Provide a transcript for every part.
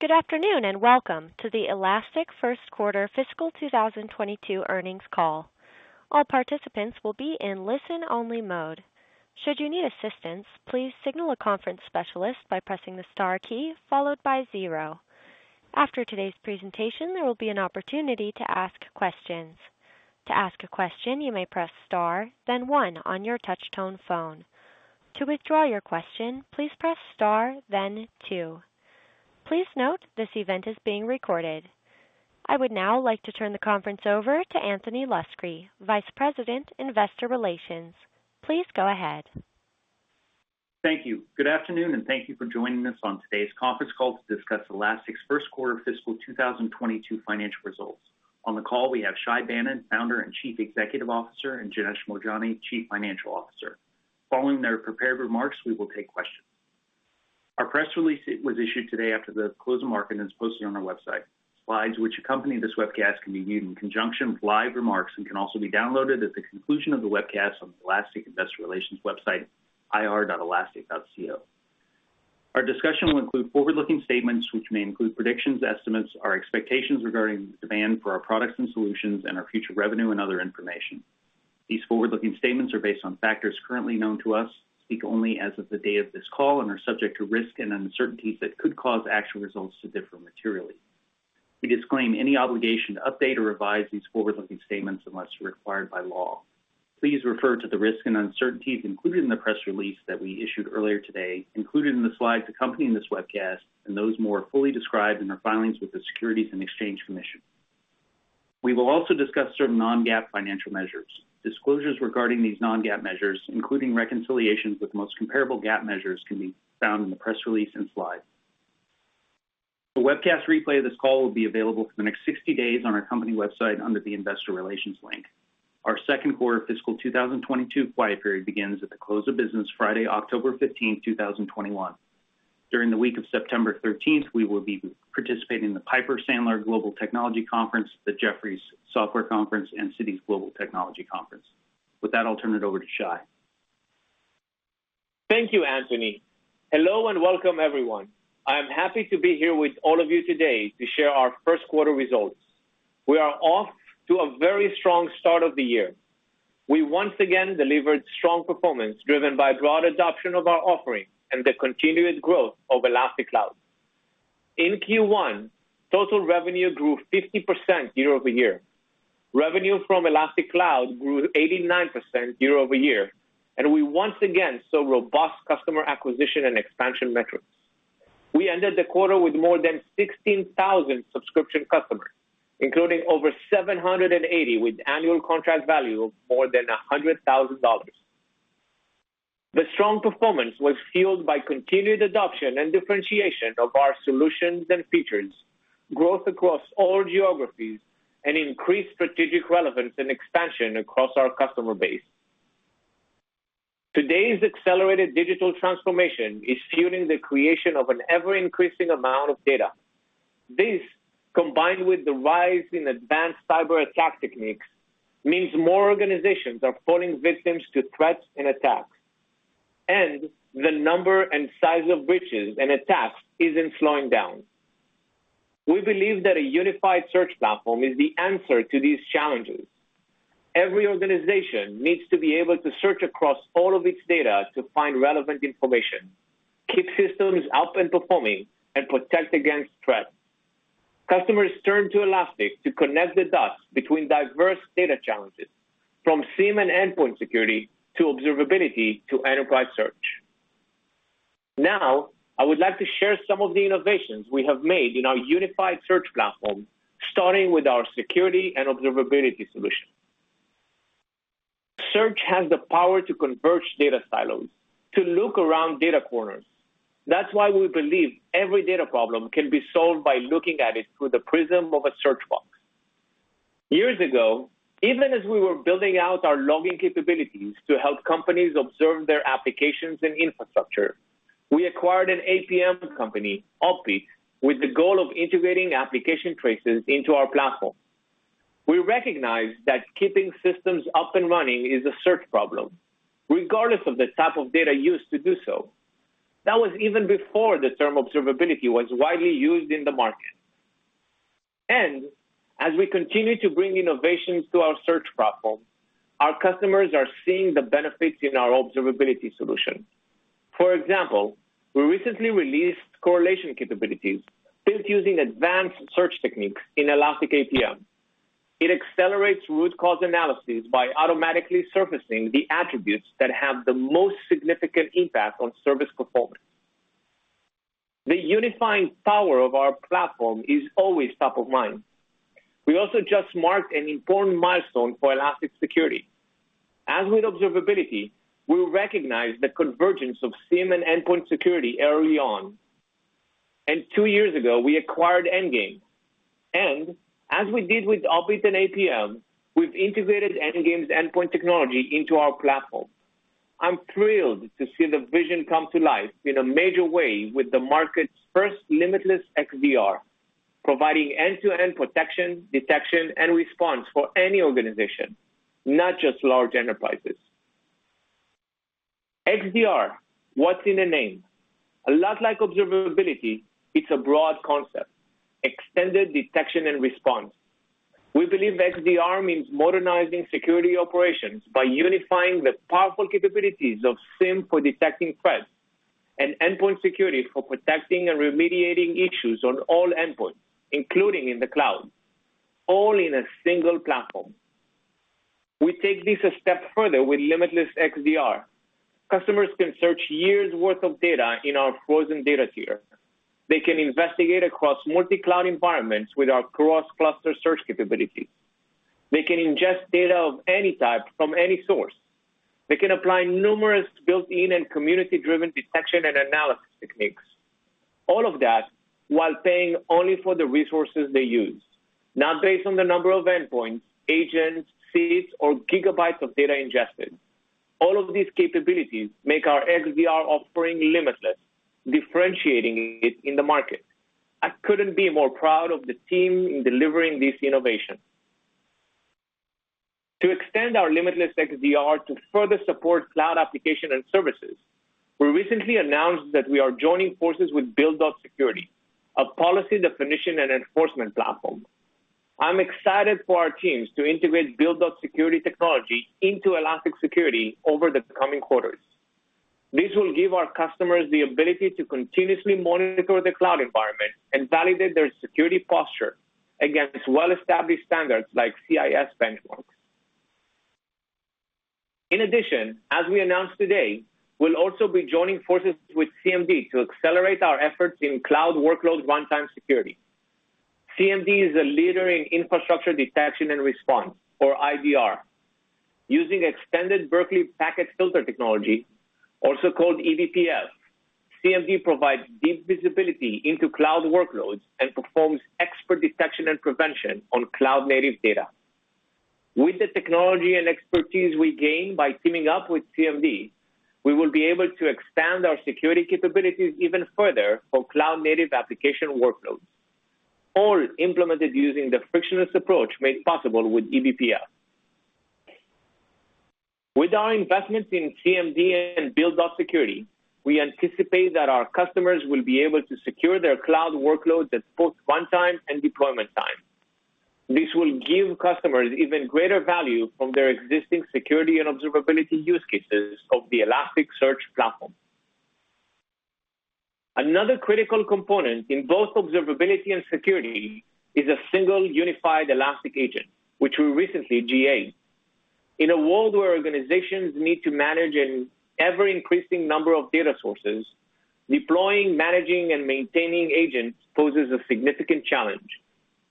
Good afternoon, and welcome to the Elastic first quarter fiscal 2022 earnings call. I would now like to turn the conference over to Anthony Luscri, Vice President, Investor Relations. Please go ahead. Thank you. Good afternoon, thank you for joining us on today's conference call to discuss Elastic's first quarter fiscal 2022 financial results. On the call, we have Shay Banon, Founder and Chief Executive Officer, and Janesh Moorjani, Chief Financial Officer. Following their prepared remarks, we will take questions. Our press release was issued today after the close of market and is posted on our website. Slides which accompany this webcast can be viewed in conjunction with live remarks and can also be downloaded at the conclusion of the webcast on the Elastic Investor Relations website, ir.elastic.co. Our discussion will include forward-looking statements, which may include predictions, estimates, our expectations regarding the demand for our products and solutions, and our future revenue and other information. These forward-looking statements are based on factors currently known to us, speak only as of the day of this call, and are subject to risks and uncertainties that could cause actual results to differ materially. We disclaim any obligation to update or revise these forward-looking statements unless required by law. Please refer to the risks and uncertainties included in the press release that we issued earlier today, included in the slides accompanying this webcast, and those more fully described in our filings with the Securities and Exchange Commission. We will also discuss certain non-GAAP financial measures. Disclosures regarding these non-GAAP measures, including reconciliations with the most comparable GAAP measures, can be found in the press release and slides. A webcast replay of this call will be available for the next 60 days on our company website under the Investor Relations link. Our second quarter fiscal 2022 quiet period begins at the close of business Friday, October 15th, 2021. During the week of September 13th, we will be participating in the Piper Sandler Global Technology Conference, the Jefferies Software Conference, and Citi Global Technology Conference. With that, I'll turn it over to Shay. Thank you, Anthony. Hello, and welcome everyone. I am happy to be here with all of you today to share our first quarter results. We are off to a very strong start of the year. We once again delivered strong performance driven by broad adoption of our offering and the continued growth of Elastic Cloud. In Q1, total revenue grew 50% year-over-year. Revenue from Elastic Cloud grew 89% year-over-year, and we once again saw robust customer acquisition and expansion metrics. We ended the quarter with more than 16,000 subscription customers, including over 780 with annual contract value of more than $100,000. The strong performance was fueled by continued adoption and differentiation of our solutions and features, growth across all geographies, and increased strategic relevance and expansion across our customer base. Today's accelerated digital transformation is fueling the creation of an ever-increasing amount of data. This, combined with the rise in advanced cyber attack techniques, means more organizations are falling victims to threats and attacks. The number and size of breaches and attacks isn't slowing down. We believe that a unified search platform is the answer to these challenges. Every organization needs to be able to search across all of its data to find relevant information, keep systems up and performing, and protect against threats. Customers turn to Elastic to connect the dots between diverse data challenges from SIEM and endpoint security to observability to enterprise search. I would like to share some of the innovations we have made in our unified search platform, starting with our security and observability solution. Search has the power to converge data silos, to look around data corners. That's why we believe every data problem can be solved by looking at it through the prism of a search box. Years ago, even as we were building out our logging capabilities to help companies observe their applications and infrastructure, we acquired an APM company, Opbeat, with the goal of integrating application traces into our platform. We recognized that keeping systems up and running is a search problem, regardless of the type of data used to do so. That was even before the term observability was widely used in the market. As we continue to bring innovations to our search platform, our customers are seeing the benefits in our observability solution. For example, we recently released correlation capabilities built using advanced search techniques in Elastic APM. It accelerates root cause analysis by automatically surfacing the attributes that have the most significant impact on service performance. The unifying power of our platform is always top of mind. We also just marked an important milestone for Elastic Security. As with observability, we recognized the convergence of SIEM and endpoint security early on. Two years ago, we acquired Endgame. As we did with Opbeat and APM, we've integrated Endgame's endpoint technology into our platform. I'm thrilled to see the vision come to life in a major way with the market's first limitless XDR, providing end-to-end protection, detection, and response for any organization, not just large enterprises. XDR, what's in a name? A lot like observability, it's a broad concept. Extended detection and response. We believe XDR means modernizing security operations by unifying the powerful capabilities of SIEM for detecting threats, endpoint security for protecting and remediating issues on all endpoints, including in the cloud, all in a single platform. We take this a step further with Limitless XDR. Customers can search years worth of data in our frozen data tier. They can investigate across multi-cloud environments with our cross-cluster search capabilities. They can ingest data of any type from any source. They can apply numerous built-in and community-driven detection and analysis techniques. All of that while paying only for the resources they use, not based on the number of endpoints, agents, seats, or gigabytes of data ingested. All of these capabilities make our XDR offering limitless, differentiating it in the market. I couldn't be more proud of the team in delivering this innovation. To extend our Limitless XDR to further support cloud application and services, we recently announced that we are joining forces with build.security, a policy definition and enforcement platform. I'm excited for our teams to integrate build.security technology into Elastic Security over the coming quarters. This will give our customers the ability to continuously monitor the cloud environment and validate their security posture against well-established standards like CIS Benchmarks. In addition, as we announced today, we'll also be joining forces with Cmd to accelerate our efforts in cloud workload runtime security. Cmd is a leader in infrastructure detection and response or IDR. Using extended Berkeley Packet Filter technology, also called eBPF, Cmd provides deep visibility into cloud workloads and performs expert detection and prevention on cloud-native data. With the technology and expertise we gain by teaming up with Cmd, we will be able to expand our security capabilities even further for cloud-native application workloads, all implemented using the frictionless approach made possible with eBPF. With our investments in Cmd and build.security, we anticipate that our customers will be able to secure their cloud workloads at both runtime and deployment time. This will give customers even greater value from their existing security and observability use cases of the Elasticsearch Platform. Another critical component in both observability and security is a single unified Elastic Agent, which we recently GA'd. In a world where organizations need to manage an ever-increasing number of data sources, deploying, managing, and maintaining agents poses a significant challenge,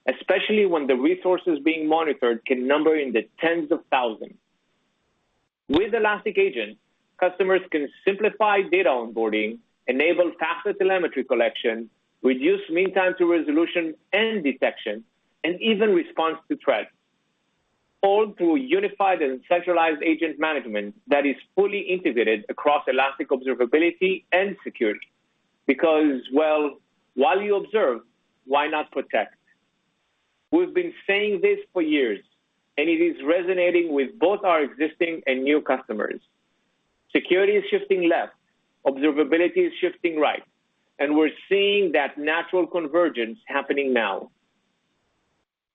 especially when the resources being monitored can number in the tens of thousands. With Elastic Agent, customers can simplify data onboarding, enable faster telemetry collection, reduce meantime to resolution and detection, and even respond to threats, all through unified and centralized agent management that is fully integrated across Elastic Observability and Security. Because, well, while you observe, why not protect. We've been saying this for years, and it is resonating with both our existing and new customers. Security is shifting left, observability is shifting right, and we're seeing that natural convergence happening now.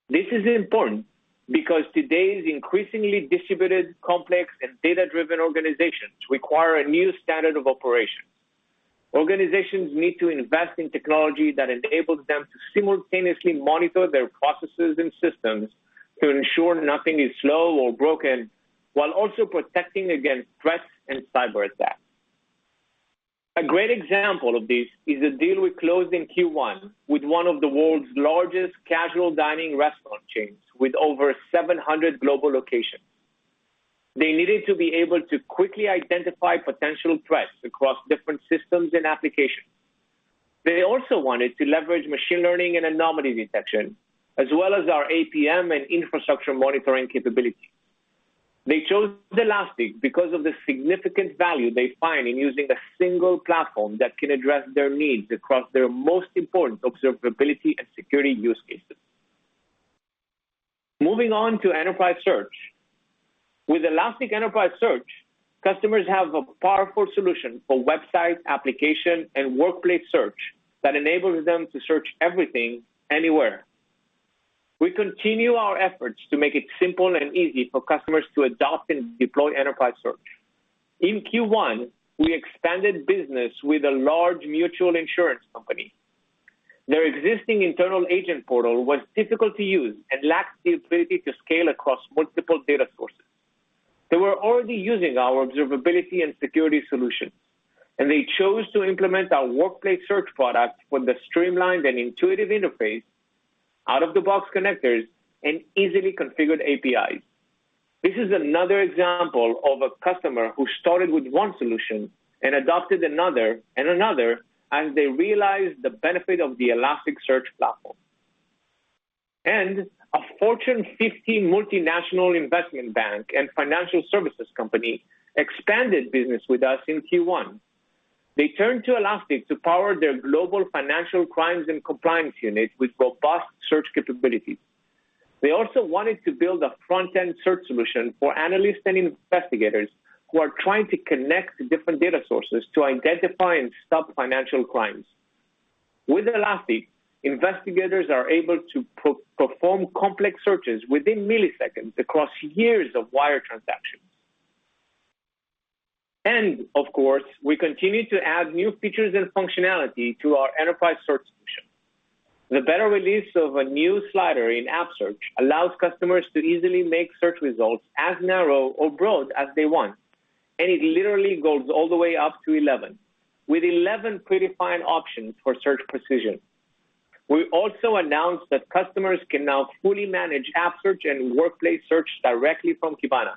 This is important because today's increasingly distributed, complex, and data-driven organizations require a new standard of operation. Organizations need to invest in technology that enables them to simultaneously monitor their processes and systems to ensure nothing is slow or broken, while also protecting against threats and cyber attacks. A great example of this is a deal we closed in Q1 with one of the world's largest casual dining restaurant chains with over 700 global locations. They needed to be able to quickly identify potential threats across different systems and applications. They also wanted to leverage machine learning and anomaly detection, as well as our APM and infrastructure monitoring capabilities. They chose Elastic because of the significant value they find in using a single platform that can address their needs across their most important Observability and Security use cases. Moving on to Enterprise Search. With Elastic Enterprise Search, customers have a powerful solution for website, application, and workplace search that enables them to search everything, anywhere. We continue our efforts to make it simple and easy for customers to adopt and deploy Enterprise Search. In Q1, we expanded business with a large mutual insurance company. Their existing internal agent portal was difficult to use and lacked the ability to scale across multiple data sources. They were already using our Observability and Security solutions, and they chose to implement our Workplace Search product for the streamlined and intuitive interface, out-of-the-box connectors, and easily configured APIs. This is another example of a customer who started with one solution and adopted another and another as they realized the benefit of the Elasticsearch Platform. A Fortune 50 multinational investment bank and financial services company expanded business with us in Q1. They turned to Elastic to power their global financial crimes and compliance unit with robust search capabilities. They also wanted to build a front-end search solution for analysts and investigators who are trying to connect different data sources to identify and stop financial crimes. With Elastic, investigators are able to perform complex searches within milliseconds across years of wire transactions. Of course, we continue to add new features and functionality to our Enterprise Search solution. The beta release of a new slider in App Search allows customers to easily make search results as narrow or broad as they want, and it literally goes all the way up to 11, with 11 predefined options for search precision. We also announced that customers can now fully manage App Search and Workplace Search directly from Kibana,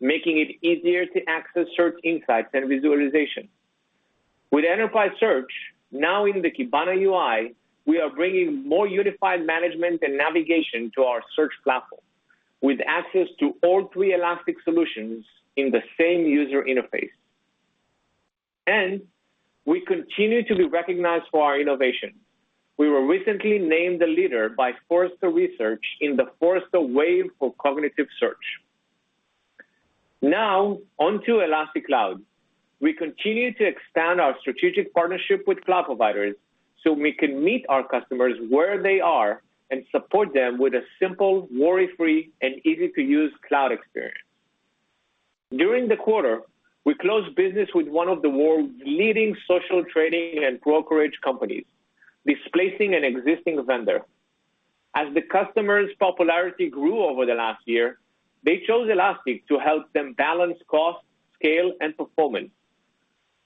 making it easier to access search insights and visualization. With Enterprise Search now in the Kibana UI, we are bringing more unified management and navigation to our search platform, with access to all three Elastic solutions in the same user interface. We continue to be recognized for our innovation. We were recently named a leader by Forrester Research in the Forrester Wave for cognitive search. Now, on to Elastic Cloud. We continue to expand our strategic partnership with cloud providers so we can meet our customers where they are and support them with a simple, worry-free, and easy-to-use cloud experience. During the quarter, we closed business with one of the world's leading social trading and brokerage companies, displacing an existing vendor. As the customer's popularity grew over the last year, they chose Elastic to help them balance cost, scale, and performance.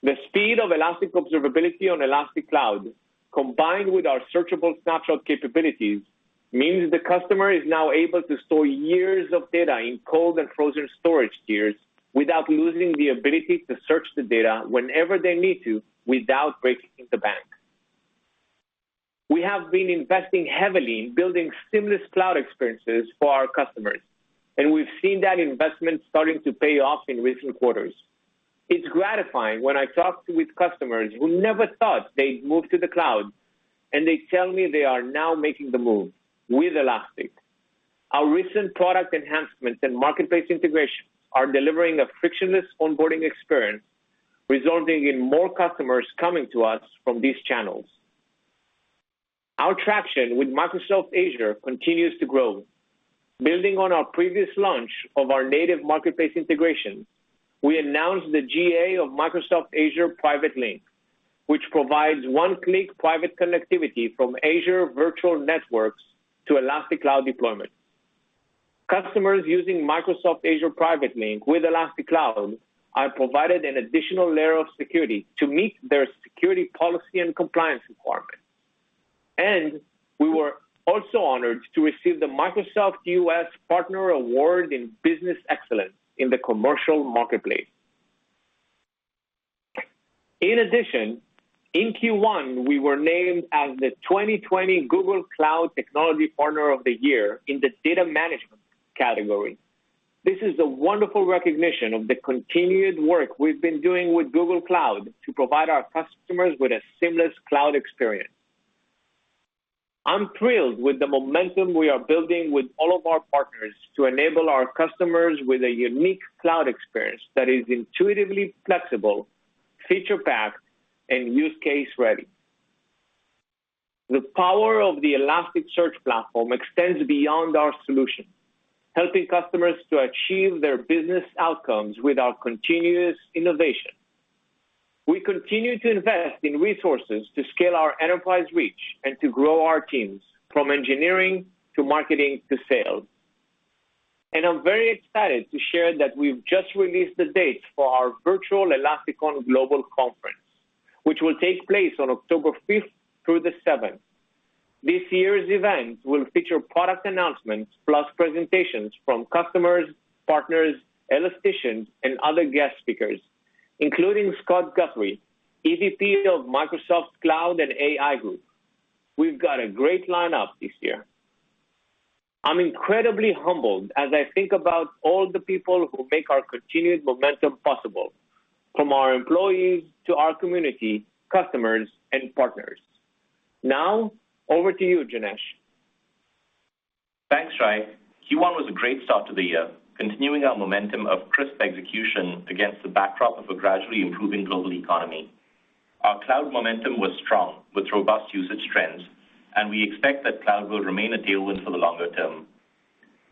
The speed of Elastic Observability on Elastic Cloud, combined with our searchable snapshot capabilities, means the customer is now able to store years of data in cold and frozen storage tiers without losing the ability to search the data whenever they need to, without breaking the bank. We have been investing heavily in building seamless cloud experiences for our customers, and we've seen that investment starting to pay off in recent quarters. It's gratifying when I talk with customers who never thought they'd move to the cloud, and they tell me they are now making the move with Elastic. Our recent product enhancements and marketplace integration are delivering a frictionless onboarding experience, resulting in more customers coming to us from these channels. Our traction with Microsoft Azure continues to grow. Building on our previous launch of our native marketplace integration, we announced the GA of Microsoft Azure Private Link, which provides one-click private connectivity from Azure virtual networks to Elastic Cloud deployment. Customers using Microsoft Azure Private Link with Elastic Cloud are provided an additional layer of security to meet their security policy and compliance requirements. We were also honored to receive the Microsoft US Partner Award in Business Excellence in the commercial marketplace. In Q1, we were named as the 2020 Google Cloud Technology Partner of the Year in the data management category. This is a wonderful recognition of the continued work we've been doing with Google Cloud to provide our customers with a seamless cloud experience. I'm thrilled with the momentum we are building with all of our partners to enable our customers with a unique cloud experience that is intuitively flexible, feature-packed, and use case ready. The power of the Elasticsearch Platform extends beyond our solution, helping customers to achieve their business outcomes with our continuous innovation. We continue to invest in resources to scale our enterprise reach and to grow our teams, from engineering to marketing to sales. I'm very excited to share that we've just released the dates for our virtual Elastic global conference, which will take place on October 5th through the 7th. This year's event will feature product announcements plus presentations from customers, partners, Elasticians, and other guest speakers, including Scott Guthrie, EVP of Microsoft Cloud and AI Group. We've got a great lineup this year. I'm incredibly humbled as I think about all the people who make our continued momentum possible, from our employees to our community, customers, and partners. Now, over to you, Janesh. Thanks, Shay. Q1 was a great start to the year, continuing our momentum of crisp execution against the backdrop of a gradually improving global economy. Our cloud momentum was strong, with robust usage trends, and we expect that cloud will remain a tailwind for the longer term.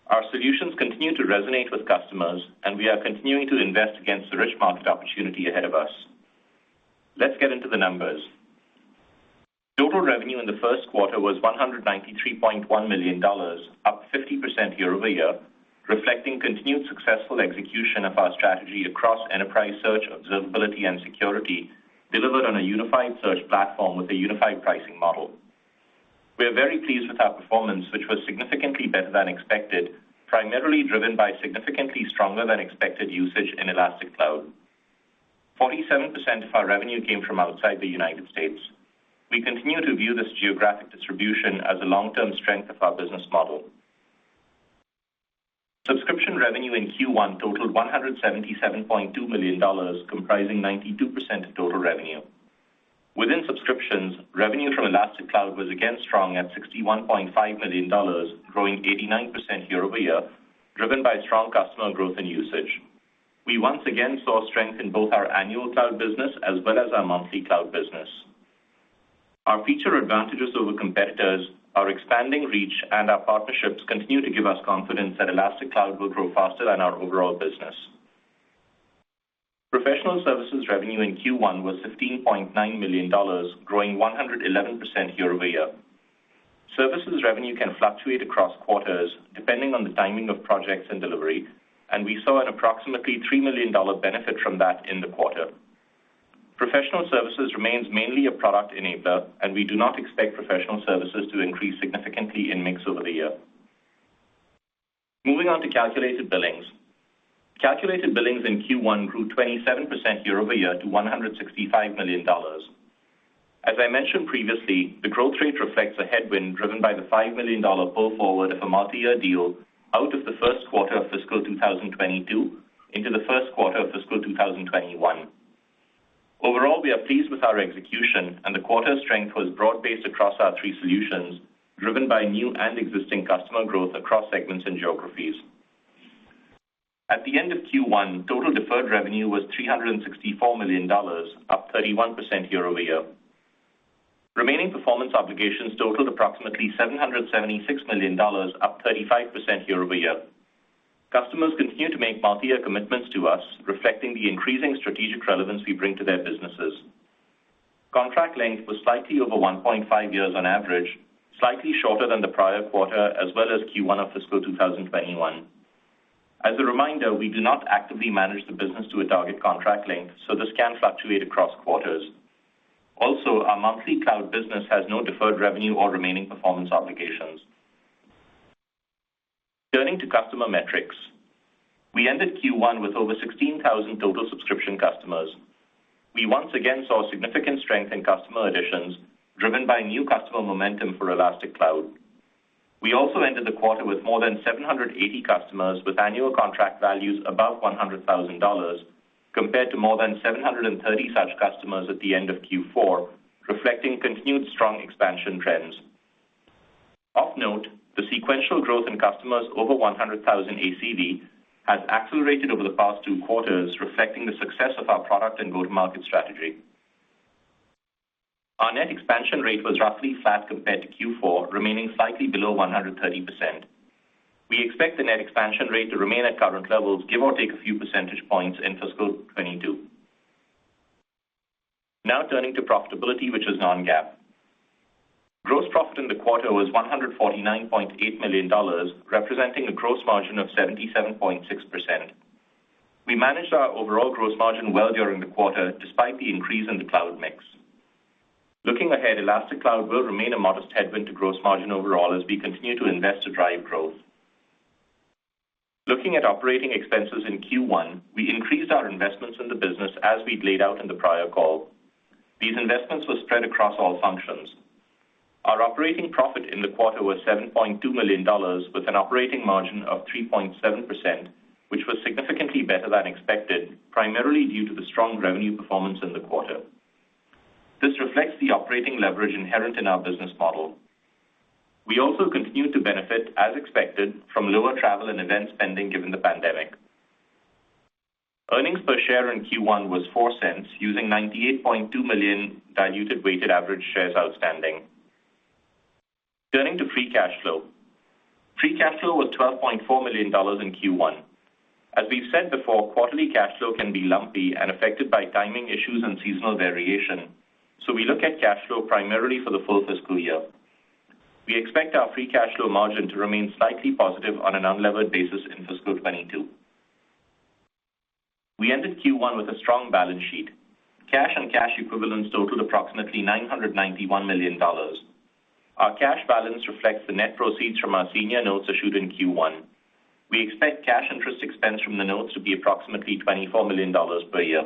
Our solutions continue to resonate with customers, and we are continuing to invest against the rich market opportunity ahead of us. Let's get into the numbers. Total revenue in the first quarter was $193.1 million, up 50% year-over-year, reflecting continued successful execution of our strategy across enterprise search, observability, and security, delivered on a unified search platform with a unified pricing model. We are very pleased with our performance, which was significantly better than expected, primarily driven by significantly stronger than expected usage in Elastic Cloud. 47% of our revenue came from outside the United States. We continue to view this geographic distribution as a long-term strength of our business model. Subscription revenue in Q1 totaled $177.2 million, comprising 92% of total revenue. Within subscriptions, revenue from Elastic Cloud was again strong at $61.5 million, growing 89% year-over-year, driven by strong customer growth and usage. We once again saw strength in both our annual cloud business as well as our monthly cloud business. Our feature advantages over competitors, our expanding reach, and our partnerships continue to give us confidence that Elastic Cloud will grow faster than our overall business. Professional services revenue in Q1 was $15.9 million, growing 111% year-over-year. Services revenue can fluctuate across quarters depending on the timing of projects and delivery, and we saw an approximately $3 million benefit from that in the quarter. Professional services remains mainly a product enabler, and we do not expect professional services to increase significantly in mix over the year. Moving on to calculated billings. Calculated billings in Q1 grew 27% year-over-year to $165 million. As I mentioned previously, the growth rate reflects a headwind driven by the $5 million pull forward of a multi-year deal out of the first quarter of fiscal 2022 into the first quarter of fiscal 2021. Overall, we are pleased with our execution, and the quarter's strength was broad-based across our three solutions, driven by new and existing customer growth across segments and geographies. At the end of Q1, total deferred revenue was $364 million, up 31% year-over-year. Remaining performance obligations totaled approximately $776 million, up 35% year-over-year. Customers continue to make multi-year commitments to us, reflecting the increasing strategic relevance we bring to their businesses. Contract length was slightly over 1.5 years on average, slightly shorter than the prior quarter as well as Q1 of fiscal 2021. As a reminder, we do not actively manage the business to a target contract length, so this can fluctuate across quarters. Also, our monthly cloud business has no deferred revenue or remaining performance obligations. Turning to customer metrics. We ended Q1 with over 16,000 total subscription customers. We once again saw significant strength in customer additions driven by new customer momentum for Elastic Cloud. We also ended the quarter with more than 780 customers with annual contract values above $100,000 compared to more than 730 such customers at the end of Q4, reflecting continued strong expansion trends. Of note, the sequential growth in customers over 100,000 ACV has accelerated over the past two quarters, reflecting the success of our product and go-to-market strategy. Our net expansion rate was roughly flat compared to Q4, remaining slightly below 130%. We expect the net expansion rate to remain at current levels, give or take a few percentage points in fiscal 2022. Now turning to profitability, which is non-GAAP. Gross profit in the quarter was $149.8 million, representing a gross margin of 77.6%. We managed our overall gross margin well during the quarter, despite the increase in the cloud mix. Looking ahead, Elastic Cloud will remain a modest headwind to gross margin overall as we continue to invest to drive growth. Looking at operating expenses in Q1, we increased our investments in the business as we'd laid out in the prior call. These investments were spread across all functions. Our operating profit in the quarter was $7.2 million, with an operating margin of 3.7%, which was significantly better than expected, primarily due to the strong revenue performance in the quarter. This reflects the operating leverage inherent in our business model. We also continue to benefit, as expected, from lower travel and event spending given the pandemic. Earnings per share in Q1 was $0.04, using 98.2 million diluted weighted average shares outstanding. Turning to free cash flow. Free cash flow was $12.4 million in Q1. As we've said before, quarterly cash flow can be lumpy and affected by timing issues and seasonal variation, so we look at cash flow primarily for the full fiscal year. We expect our free cash flow margin to remain slightly positive on an unlevered basis in fiscal 2022. We ended Q1 with a strong balance sheet. Cash and cash equivalents totaled approximately $991 million. Our cash balance reflects the net proceeds from our senior notes issued in Q1. We expect cash interest expense from the notes to be approximately $24 million per year.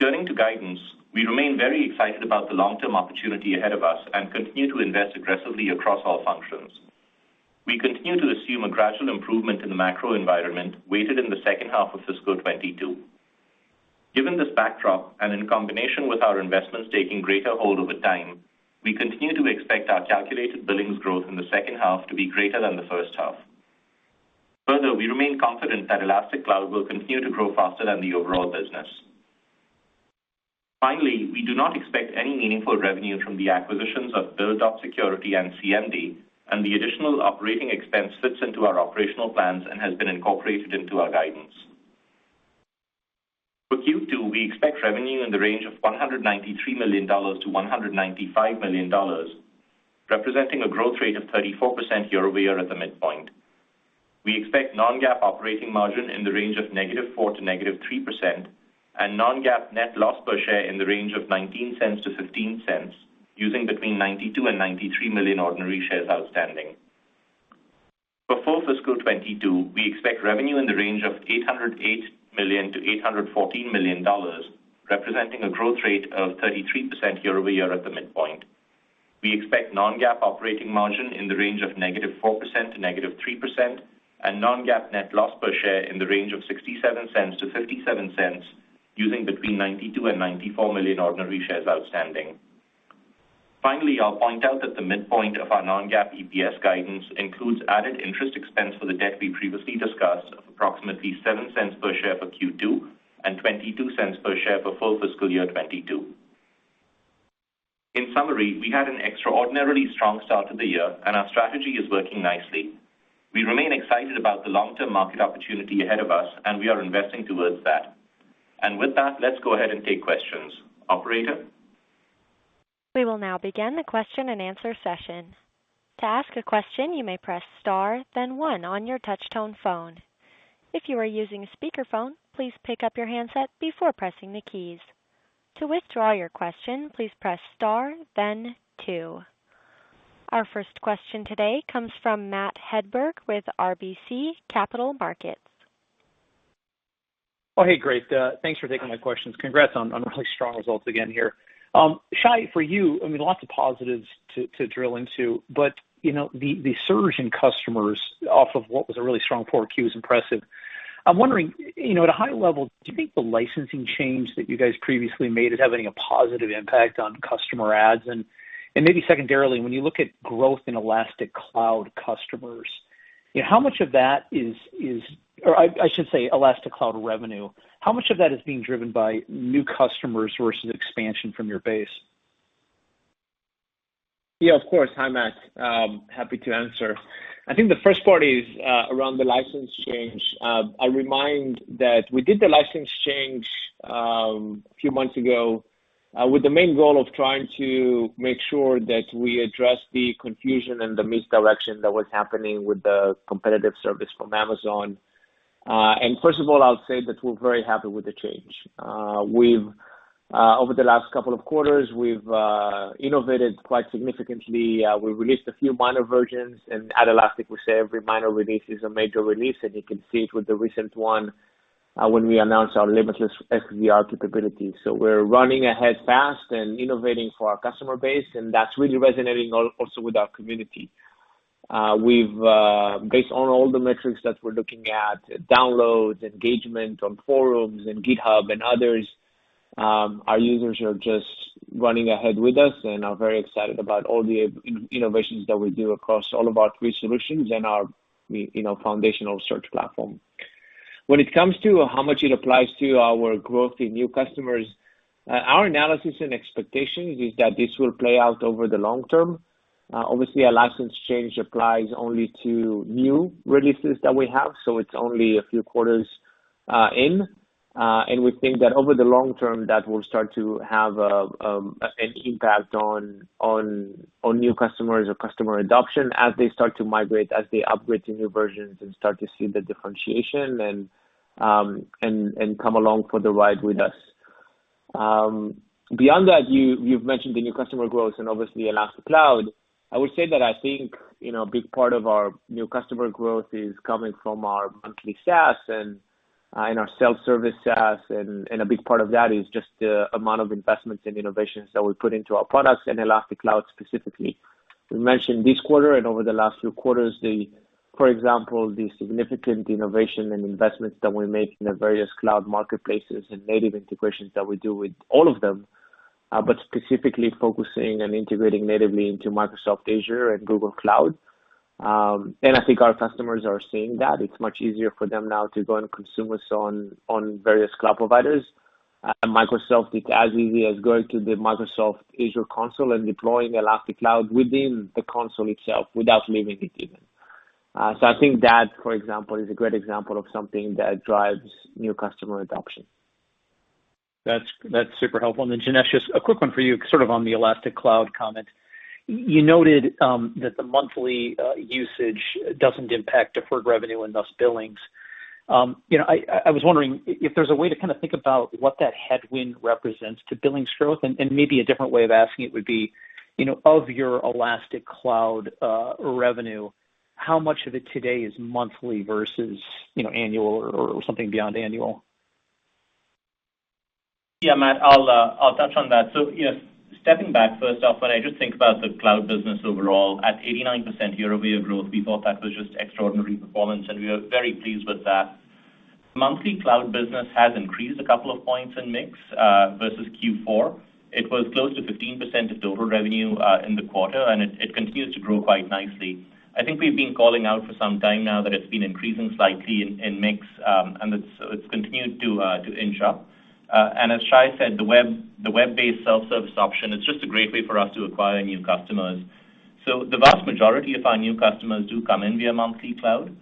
Turning to guidance, we remain very excited about the long-term opportunity ahead of us and continue to invest aggressively across all functions. We continue to assume a gradual improvement in the macro environment weighted in the second half of fiscal 2022. Given this backdrop, and in combination with our investments taking greater hold over time, we continue to expect our calculated billings growth in the second half to be greater than the first half. Further, we remain confident that Elastic Cloud will continue to grow faster than the overall business. Finally, we do not expect any meaningful revenue from the acquisitions of build.security and Cmd, and the additional operating expense fits into our operational plans and has been incorporated into our guidance. For Q2, we expect revenue in the range of $193 million-$195 million, representing a growth rate of 34% year-over-year at the midpoint. We expect non-GAAP operating margin in the range of -4% to -3% and non-GAAP net loss per share in the range of $0.19-$0.15, using between 92 million and 93 million ordinary shares outstanding. For full fiscal 2022, we expect revenue in the range of $808 million-$814 million, representing a growth rate of 33% year-over-year at the midpoint. We expect non-GAAP operating margin in the range of -4% to -3%, and non-GAAP net loss per share in the range of $0.67-$0.57, using between 92 million and 94 million ordinary shares outstanding. Finally, I'll point out that the midpoint of our non-GAAP EPS guidance includes added interest expense for the debt we previously discussed of approximately $0.07 per share for Q2 and $0.22 per share for full fiscal year 2022. In summary, we had an extraordinarily strong start to the year, our strategy is working nicely. We remain excited about the long-term market opportunity ahead of us, we are investing towards that. With that, let's go ahead and take questions. Operator? Our first question today comes from Matt Hedberg with RBC Capital Markets. Oh, hey, great. Thanks for taking my questions. Congrats on really strong results again here. Shay, for you, lots of positives to drill into, but the surge in customers off of what was a really strong 4Q is impressive. I am wondering, at a high level, do you think the licensing change that you guys previously made is having a positive impact on customer adds? Maybe secondarily, when you look at growth in Elastic Cloud customers, how much of that is or I should say Elastic Cloud revenue, how much of that is being driven by new customers versus expansion from your base? Yeah, of course. Hi, Matt. Happy to answer. I think the first part is around the license change. I remind that we did the license change a few months ago with the main goal of trying to make sure that we address the confusion and the misdirection that was happening with the competitive service from Amazon. First of all, I'll say that we're very happy with the change. Over the last couple of quarters, we've innovated quite significantly. We released a few minor versions, and at Elastic, we say every minor release is a major release, and you can see it with the recent one when we announced our Limitless XDR capabilities. We're running ahead fast and innovating for our customer base, and that's really resonating also with our community. Based on all the metrics that we're looking at, downloads, engagement on forums and GitHub and others, our users are just running ahead with us and are very excited about all the innovations that we do across all of our three solutions and our foundational search platform. When it comes to how much it applies to our growth in new customers, our analysis and expectations is that this will play out over the long-term. Obviously, a license change applies only to new releases that we have, so it's only a few quarters in. We think that over the long-term, that will start to have an impact on new customers or customer adoption as they start to migrate, as they upgrade to new versions and start to see the differentiation and come along for the ride with us. Beyond that, you've mentioned the new customer growth and obviously Elastic Cloud. I would say that I think a big part of our new customer growth is coming from our monthly SaaS and our self-service SaaS, and a big part of that is just the amount of investments in innovations that we put into our products and Elastic Cloud specifically. We mentioned this quarter and over the last few quarters, for example, the significant innovation and investments that we make in the various cloud marketplaces and native integrations that we do with all of them, but specifically focusing on integrating natively into Microsoft Azure and Google Cloud. I think our customers are seeing that. It's much easier for them now to go and consume us on various cloud providers. Microsoft, it's as easy as going to the Microsoft Azure console and deploying Elastic Cloud within the console itself without leaving it even. I think that, for example, is a great example of something that drives new customer adoption. That's super helpful. Janesh, just a quick one for you, sort of on the Elastic Cloud comment. You noted that the monthly usage doesn't impact deferred revenue and thus billings. I was wondering if there's a way to kind of think about what that headwind represents to billings growth, and maybe a different way of asking it would be, of your Elastic Cloud revenue, how much of it today is monthly versus annual or something beyond annual? Yeah, Matt, I'll touch on that. Yes, stepping back first off, when I just think about the cloud business overall, at 89% year-over-year growth, we thought that was just extraordinary performance, and we are very pleased with that. Monthly cloud business has increased a couple of points in mix versus Q4. It was close to 15% of total revenue in the quarter, and it continues to grow quite nicely. I think we've been calling out for some time now that it's been increasing slightly in mix, and it's continued to inch up. As Shay said, the web-based self-service option, it's just a great way for us to acquire new customers. The vast majority of our new customers do come in via monthly cloud.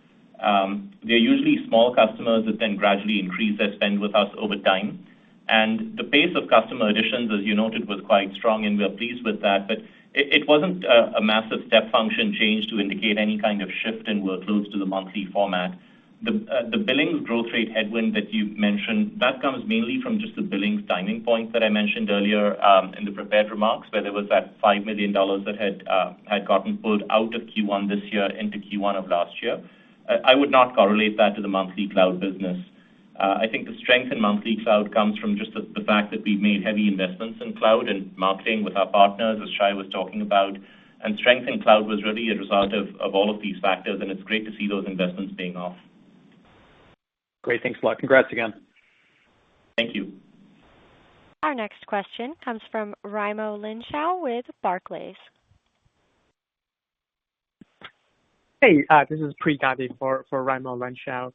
They're usually small customers that then gradually increase their spend with us over time. The pace of customer additions, as you noted, was quite strong, and we're pleased with that. It wasn't a massive step function change to indicate any kind of shift in workloads to the monthly format. The billings growth rate headwind that you mentioned, that comes mainly from just the billings timing point that I mentioned earlier in the prepared remarks, where there was that $5 million that had gotten pulled out of Q1 this year into Q1 of last year. I would not correlate that to the monthly cloud business. I think the strength in monthly cloud comes from just the fact that we've made heavy investments in cloud and marketing with our partners, as Shay was talking about. Strength in cloud was really a result of all of these factors, and it's great to see those investments paying off. Great. Thanks a lot. Congrats again. Thank you. Our next question comes from Raimo Lenschow with Barclays. Hey, this is Preeti Gavi for Raimo Lenschow.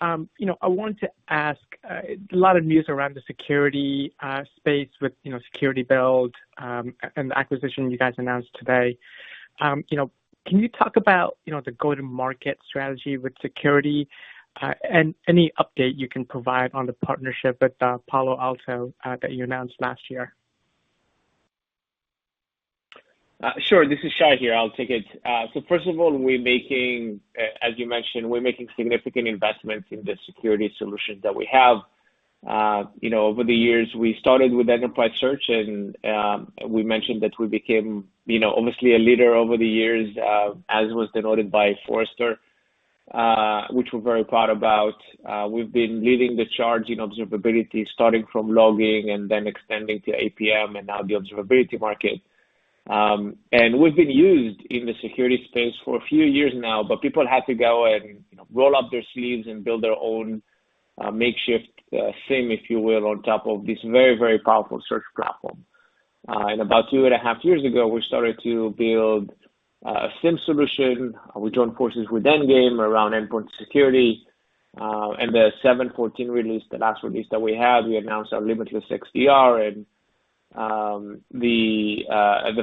I want to ask, a lot of news around the security space with build.security and the acquisition you guys announced today. Can you talk about the go-to-market strategy with security? Any update you can provide on the partnership with Palo Alto that you announced last year. Sure. This is Shay here. I'll take it. First of all, as you mentioned, we're making significant investments in the security solutions that we have. Over the years, we started with enterprise search, and we mentioned that we became obviously a leader over the years, as was denoted by Forrester, which we're very proud about. We've been leading the charge in observability, starting from logging and then extending to APM and now the observability market. We've been used in the security space for a few years now, but people had to go and roll up their sleeves and build their own makeshift SIEM, if you will, on top of this very, very powerful search platform. About two and a half years ago, we started to build a SIEM solution. We joined forces with Endgame around endpoint security. The 7.14 release, the last release that we had, we announced our Limitless XDR and the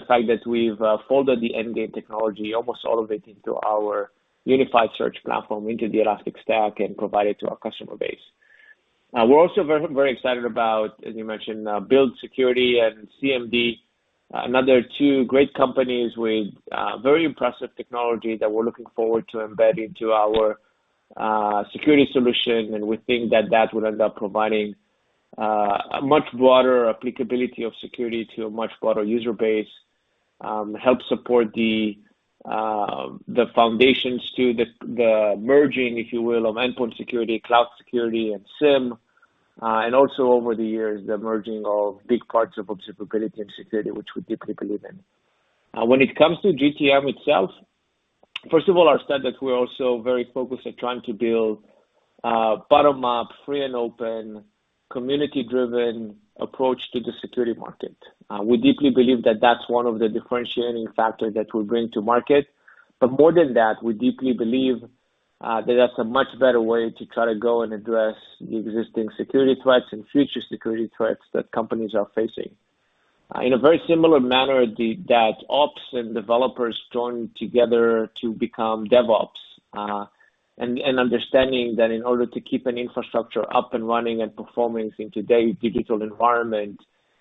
fact that we've folded the Endgame technology, almost all of it, into our unified search platform, into the Elastic Stack, and provide it to our customer base. We're also very excited about, as you mentioned, build.security and Cmd, another two great companies with very impressive technology that we're looking forward to embedding to our security solution. We think that that would end up providing a much broader applicability of security to a much broader user base, help support the foundations to the merging, if you will, of endpoint security, cloud security, and SIEM. Also over the years, the merging of big parts of Observability and Security, which we deeply believe in. When it comes to GTM itself, first of all, I said that we're also very focused on trying to build bottom-up, free and open, community-driven approach to the security market. We deeply believe that that's one of the differentiating factor that we bring to market. More than that, we deeply believe that that's a much better way to try to go and address the existing security threats and future security threats that companies are facing. In a very similar manner that ops and developers joined together to become DevOps, and understanding that in order to keep an infrastructure up and running and performing in today's digital environment,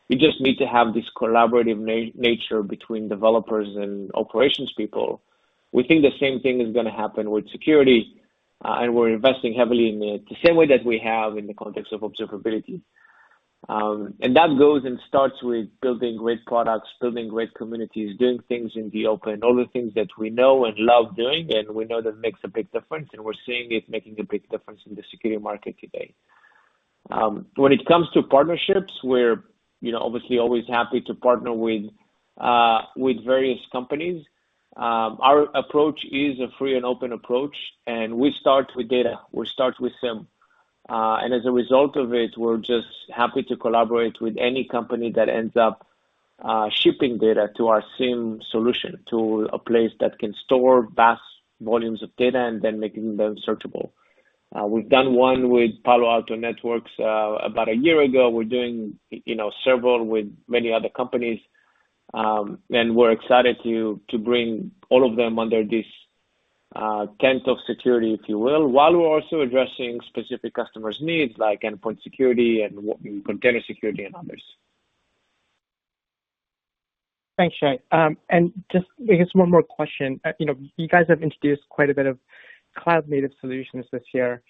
you just need to have this collaborative nature between developers and operations people. We think the same thing is going to happen with security, and we're investing heavily in it, the same way that we have in the context of Observability. That goes and starts with building great products, building great communities, doing things in the open, all the things that we know and love doing, and we know that makes a big difference, and we're seeing it making a big difference in the security market today. When it comes to partnerships, we're obviously always happy to partner with various companies. Our approach is a free and open approach, and we start with data. We start with SIEM. As a result of it, we're just happy to collaborate with any company that ends up shipping data to our SIEM solution, to a place that can store vast volumes of data and then making them searchable. We've done one with Palo Alto Networks about a year ago. We're doing several with many other companies. We're excited to bring all of them under this tent of security, if you will, while we're also addressing specific customers' needs, like endpoint security and container security and others. Thanks, Shay. Just I guess one more question. You guys have introduced quite a bit of cloud-native solutions this year.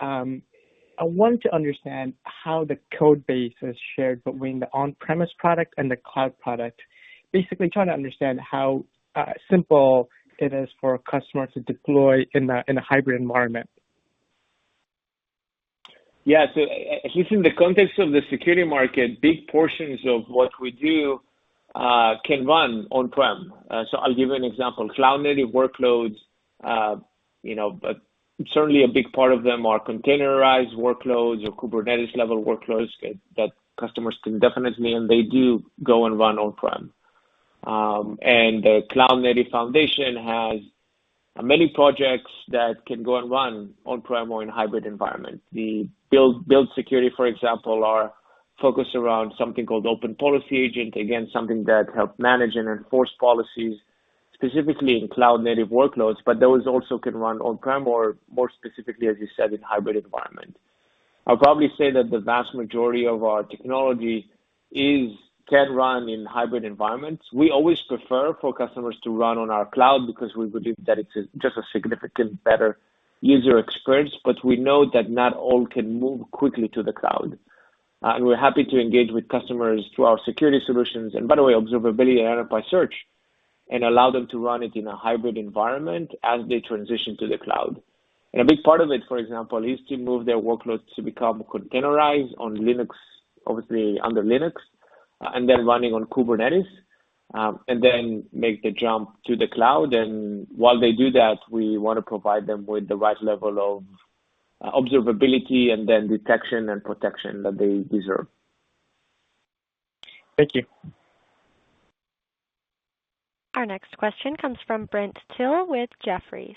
I want to understand how the code base is shared between the on-premise product and the cloud product. Basically, trying to understand how simple it is for a customer to deploy in a hybrid environment. At least in the context of the security market, big portions of what we do can run on-prem. I'll give you an example. Cloud-native workloads, certainly a big part of them are containerized workloads or Kubernetes level workloads that customers can definitely, and they do, go and run on-prem. The Cloud Native Foundation has many projects that can go and run on-prem or in hybrid environments. build.security, for example, are focused around something called Open Policy Agent, again, something that helps manage and enforce policies, specifically in cloud-native workloads, but those also can run on-prem or more specifically, as you said, in hybrid environment. I'll probably say that the vast majority of our technology can run in hybrid environments. We always prefer for customers to run on our cloud because we believe that it's just a significantly better user experience, but we know that not all can move quickly to the cloud. We're happy to engage with customers through our security solutions. By the way, Observability and Enterprise Search, and allow them to run it in a hybrid environment as they transition to the cloud. A big part of it, for example, is to move their workloads to become containerized on Linux, obviously under Linux, and then running on Kubernetes, and then make the jump to the cloud. While they do that, we want to provide them with the right level of Observability and then detection and protection that they deserve. Thank you. Our next question comes from Brent Thill with Jefferies.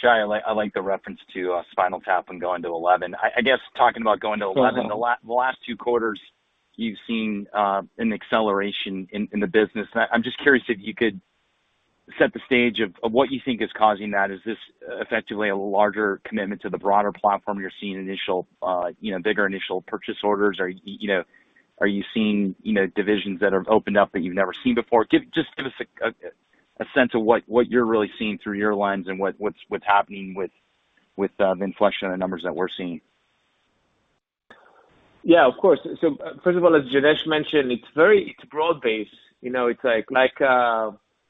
Shay, I like the reference to Spinal Tap and going to 11. I guess talking about going to 11, the last two quarters, you've seen an acceleration in the business, and I'm just curious if you could set the stage of what you think is causing that. Is this effectively a larger commitment to the broader platform? You're seeing initial, bigger initial purchase orders, are you seeing divisions that have opened up that you've never seen before? Just give us a sense of what you're really seeing through your lens and what's happening with the inflection of the numbers that we're seeing. Yeah, of course. First of all, as Janesh mentioned, it's broad base. It's like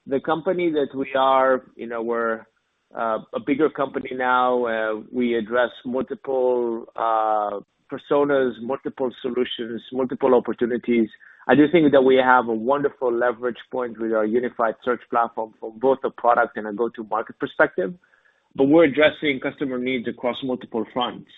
the company that we are, we're a bigger company now. We address multiple personas, multiple solutions, multiple opportunities. I do think that we have a wonderful leverage point with our unified search platform from both a product and a go-to-market perspective, but we're addressing customer needs across multiple fronts.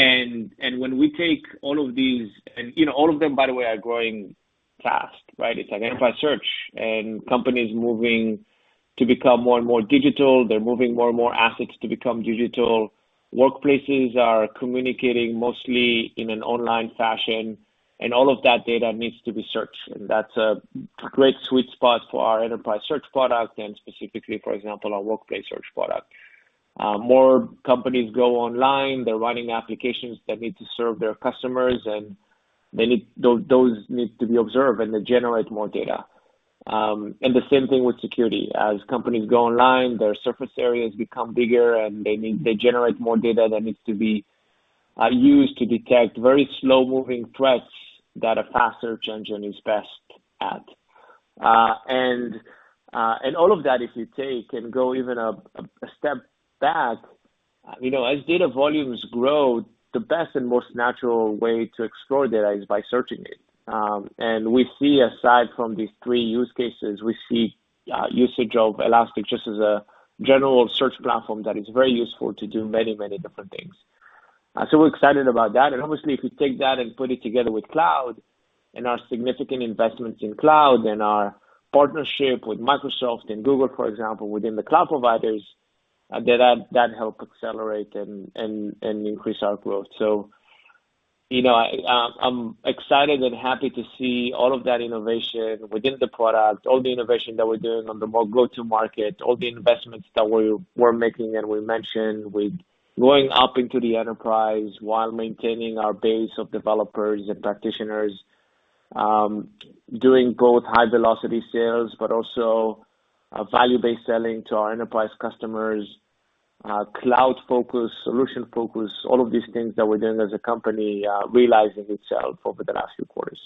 When we take all of these, and all of them, by the way, are growing fast, right? It's Enterprise Search and companies moving to become more and more digital. They're moving more and more assets to become digital. Workplaces are communicating mostly in an online fashion, and all of that data needs to be searched. That's a great sweet spot for our Enterprise Search product and specifically, for example, our Workplace Search product. More companies go online. They're writing applications that need to serve their customers, and those need to be observed, and they generate more data. The same thing with security. As companies go online, their surface areas become bigger, and they generate more data that needs to be used to detect very slow-moving threats that a fast search engine is best at. All of that, if you take and go even a step back, as data volumes grow, the best and most natural way to explore data is by searching it. We see, aside from these three use cases, we see usage of Elastic just as a general search platform that is very useful to do many, many different things. We're excited about that. Obviously, if we take that and put it together with cloud and our significant investments in cloud and our partnership with Microsoft and Google, for example, within the cloud providers, that help accelerate and increase our growth. I'm excited and happy to see all of that innovation within the product, all the innovation that we're doing on the more go-to-market, all the investments that we're making, and we mentioned with going up into the enterprise while maintaining our base of developers and practitioners, doing both high-velocity sales, but also value-based selling to our enterprise customers, cloud focus, solution focus, all of these things that we're doing as a company, realizing itself over the last few quarters.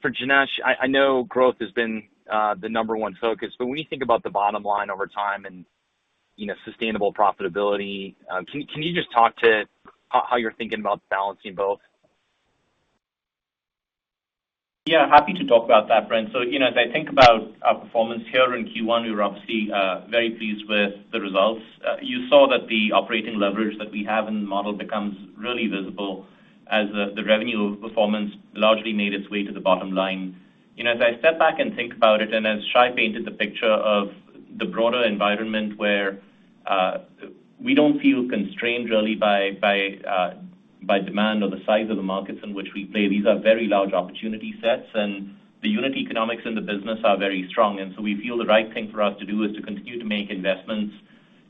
For Janesh, I know growth has been the number one focus, when you think about the bottom line over time and sustainable profitability, can you just talk to how you're thinking about balancing both? Yeah, happy to talk about that, Brent. As I think about our performance here in Q1, we're obviously very pleased with the results. You saw that the operating leverage that we have in the model becomes really visible as the revenue performance largely made its way to the bottom line. As I step back and think about it, as Shay painted the picture of the broader environment where we don't feel constrained really by demand or the size of the markets in which we play, these are very large opportunity sets, and the unit economics in the business are very strong. We feel the right thing for us to do is to continue to make investments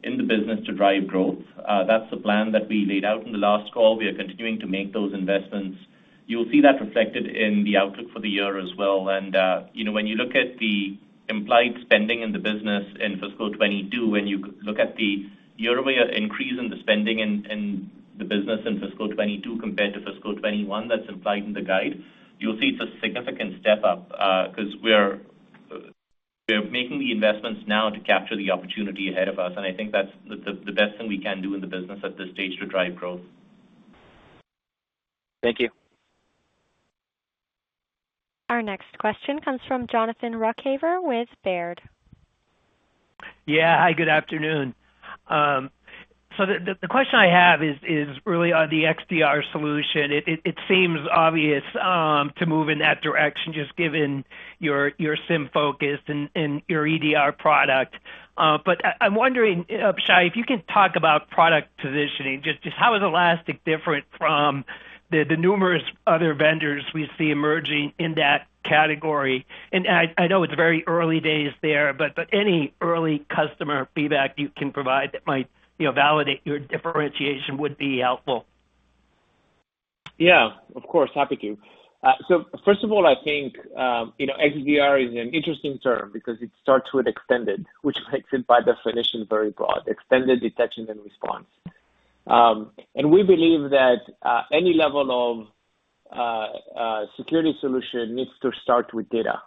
in the business to drive growth. That's the plan that we laid out in the last call. We are continuing to make those investments. You'll see that reflected in the outlook for the year as well. When you look at the implied spending in the business in fiscal 2022, when you look at the year-over-year increase in the spending in the business in fiscal 2022 compared to fiscal 2021, that's implied in the guide. You'll see it's a significant step up, because we're making the investments now to capture the opportunity ahead of us, and I think that's the best thing we can do in the business at this stage to drive growth. Thank you. Our next question comes from Jonathan Ruykhaver with Baird. Yeah. Hi, good afternoon. The question I have is really on the XDR solution. It seems obvious to move in that direction, just given your SIEM focus and your EDR product. I'm wondering, Shay, if you can talk about product positioning, just how is Elastic different from the numerous other vendors we see emerging in that category? I know it's very early days there, but any early customer feedback you can provide that might validate your differentiation would be helpful. First of all, I think XDR is an interesting term because it starts with extended, which makes it by definition very broad, extended detection and response. We believe that any level of security solution needs to start with data.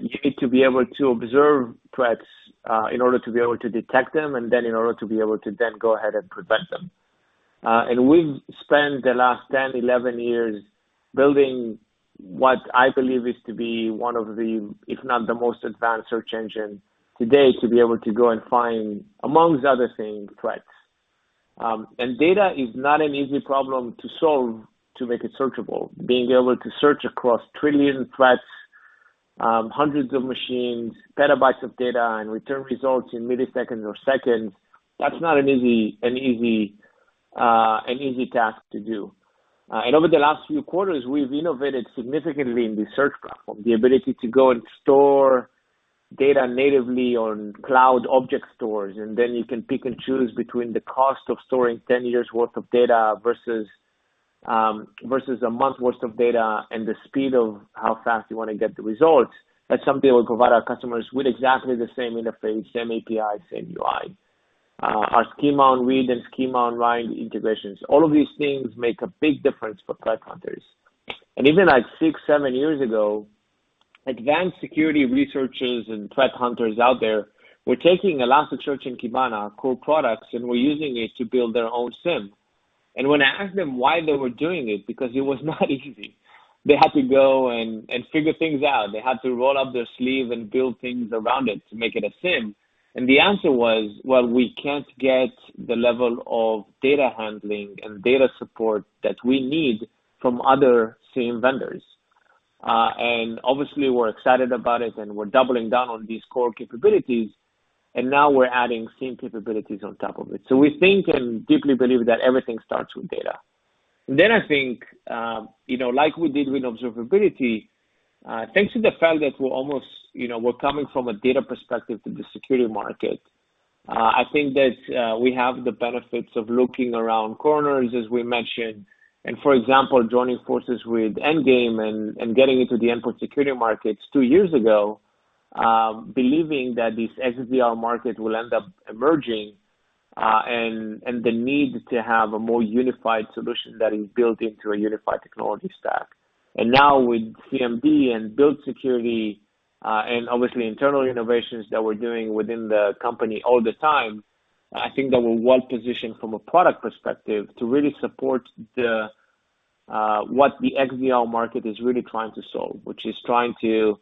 You need to be able to observe threats in order to be able to detect them, and then in order to be able to then go ahead and prevent them. We've spent the last 10, 11 years building what I believe is to be one of the, if not the most advanced search engine today, to be able to go and find, amongst other things, threats. Data is not an easy problem to solve to make it searchable, being able to search across trillion threats, hundreds of machines, petabytes of data, and return results in milliseconds or seconds. That's not an easy task to do. Over the last few quarters, we've innovated significantly in the search platform, the ability to go and store data natively on cloud object storage. You can pick and choose between the cost of storing 10 years' worth of data versus a month's worth of data, and the speed of how fast you want to get the results. That's something we'll provide our customers with exactly the same interface, same API, same UI. Our schema-on-read and schema-on-write integrations, all of these things make a big difference for threat hunters. Even at six, seven years ago, advanced security researchers and threat hunters out there were taking Elasticsearch and Kibana, our core products, and were using it to build their own SIEM. When I asked them why they were doing it, because it was not easy, they had to go and figure things out. They had to roll up their sleeve and build things around it to make it a SIEM. The answer was, "Well, we can't get the level of data handling and data support that we need from other SIEM vendors." Obviously, we're excited about it and we're doubling down on these core capabilities, and now we're adding SIEM capabilities on top of it. We think and deeply believe that everything starts with data. I think, like we did with observability, thanks to the fact that we're coming from a data perspective to the security market, I think that we have the benefits of looking around corners, as we mentioned, and for example, joining forces with Endgame and getting into the endpoint security markets two years ago, believing that this XDR market will end up emerging, and the need to have a more unified solution that is built into a unified technology stack. Now with Cmd and build.security, and obviously internal innovations that we're doing within the company all the time, I think that we're well-positioned from a product perspective to really support what the XDR market is really trying to solve, which is trying to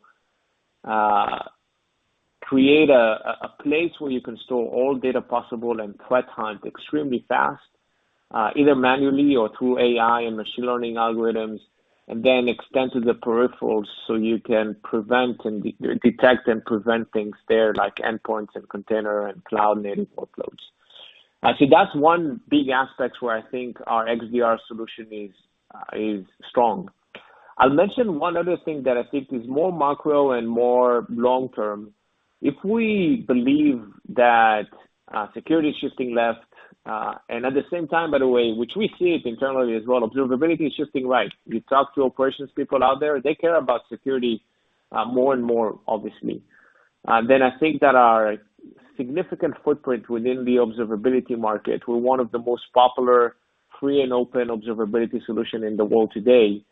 create a place where you can store all data possible and threat hunt extremely fast, either manually or through AI and machine learning algorithms, and then extend to the peripherals so you can detect and prevent things there, like endpoints and container and cloud native workloads. I think that's one big aspect where I think our XDR solution is strong. I'll mention one other thing that I think is more macro and more long-term. If we believe that security is shifting left, and at the same time, by the way, which we see it internally as well, observability is shifting right. You talk to operations people out there, they care about security more and more, obviously. I think that our significant footprint within the observability market, we're one of the most popular free and open observability solution in the world today,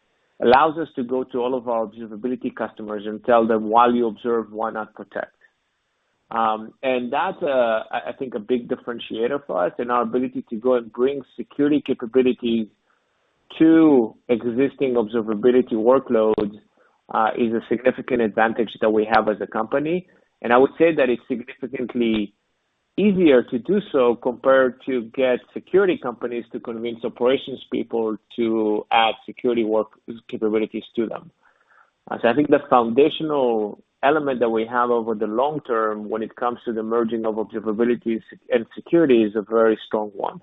allows us to go to all of our observability customers and tell them, "While you observe, why not protect?"That is, I think, a big differentiator for us, and our ability to go and bring security capabilities to existing observability workloads is a significant advantage that we have as a company. I would say that it's significantly easier to do so compared to get security companies to convince operations people to add security work capabilities to them. I think the foundational element that we have over the long-term when it comes to the merging of observability and security is a very strong one.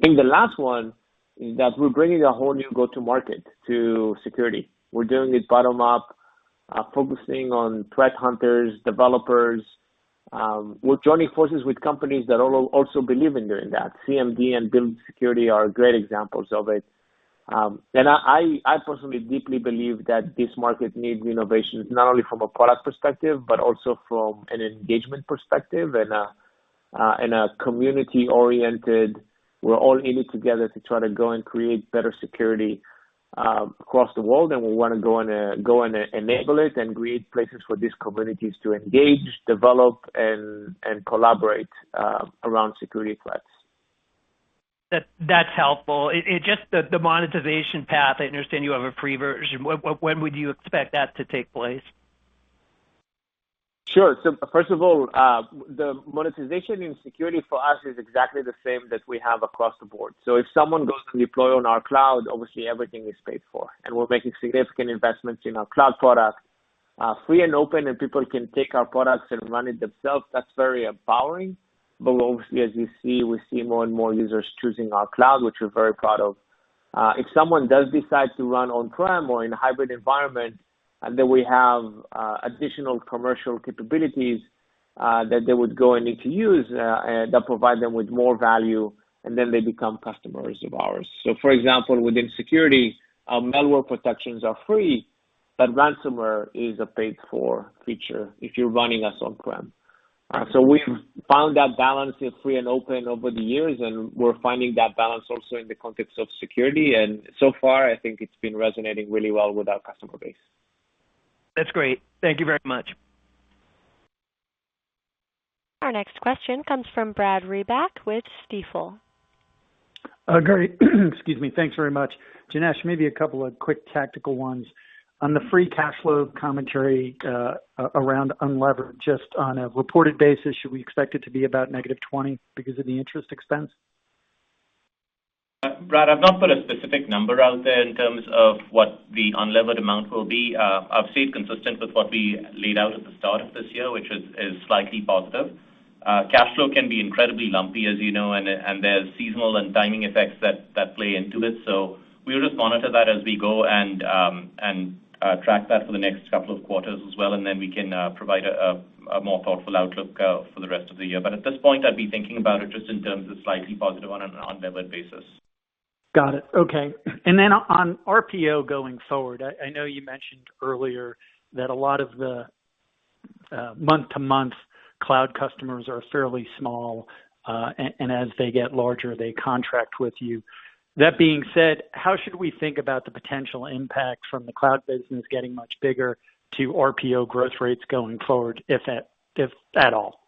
I think the last one is that we're bringing a whole new go-to-market to security. We're doing it bottom-up, focusing on threat hunters, developers. We're joining forces with companies that also believe in doing that. Cmd and build.security are great examples of it. I personally deeply believe that this market needs innovation, not only from a product perspective, but also from an engagement perspective and a community-oriented, we're all in it together to try to go and create better security across the world, and we want to go and enable it and create places for these communities to engage, develop, and collaborate around security threats. That's helpful. The monetization path, I understand you have a free version. When would you expect that to take place? Sure. First of all, the monetization in security for us is exactly the same that we have across the board. If someone goes to deploy on our cloud, obviously everything is paid for, and we're making significant investments in our cloud product, free and open, and people can take our products and run it themselves. That's very empowering. Obviously, as you see, we see more and more users choosing our cloud, which we're very proud of. If someone does decide to run on-prem or in a hybrid environment, and then we have additional commercial capabilities that they would go and need to use that provide them with more value, and then they become customers of ours. For example, within security, our malware protections are free, but ransomware is a paid-for feature if you're running us on-prem. We've found that balance in free and open over the years, and we're finding that balance also in the context of security. So far, I think it's been resonating really well with our customer base. That's great. Thank you very much. Our next question comes from Brad Reback with Stifel. Shay, excuse me. Thanks very much. Janesh, maybe a couple of quick tactical ones. On the free cash flow commentary around unlevered, just on a reported basis, should we expect it to be about -$20 because of the interest expense? Brad, I've not put a specific number out there in terms of what the unlevered amount will be. I've stayed consistent with what we laid out at the start of this year, which is slightly positive. Cash flow can be incredibly lumpy, as you know, and there's seasonal and timing effects that play into it. We'll just monitor that as we go and track that for the next couple of quarters as well, and then we can provide a more thoughtful outlook for the rest of the year. At this point, I'd be thinking about it just in terms of slightly positive on an unlevered basis. Got it. Okay. On RPO going forward, I know you mentioned earlier that a lot of the month-to-month cloud customers are fairly small, and as they get larger, they contract with you. That being said, how should we think about the potential impact from the cloud business getting much bigger to RPO growth rates going forward, if at all?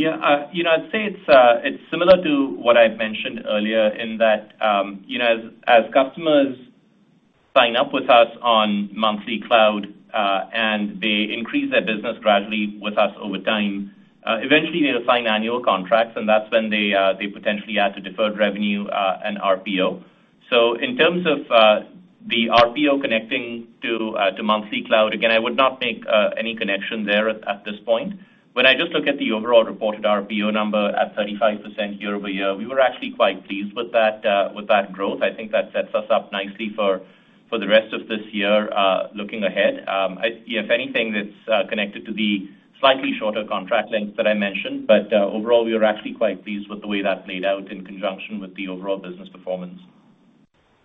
Yeah. I'd say it's similar to what I mentioned earlier in that, as customers sign up with us on monthly cloud, and they increase their business gradually with us over time, eventually they'll sign annual contracts, and that's when they potentially add to deferred revenue and RPO. In terms of the RPO connecting to monthly cloud, again, I would not make any connection there at this point. When I just look at the overall reported RPO number at 35% year-over-year, we were actually quite pleased with that growth. I think that sets us up nicely for the rest of this year looking ahead. If anything, that's connected to the slightly shorter contract lengths that I mentioned. Overall, we are actually quite pleased with the way that played out in conjunction with the overall business performance.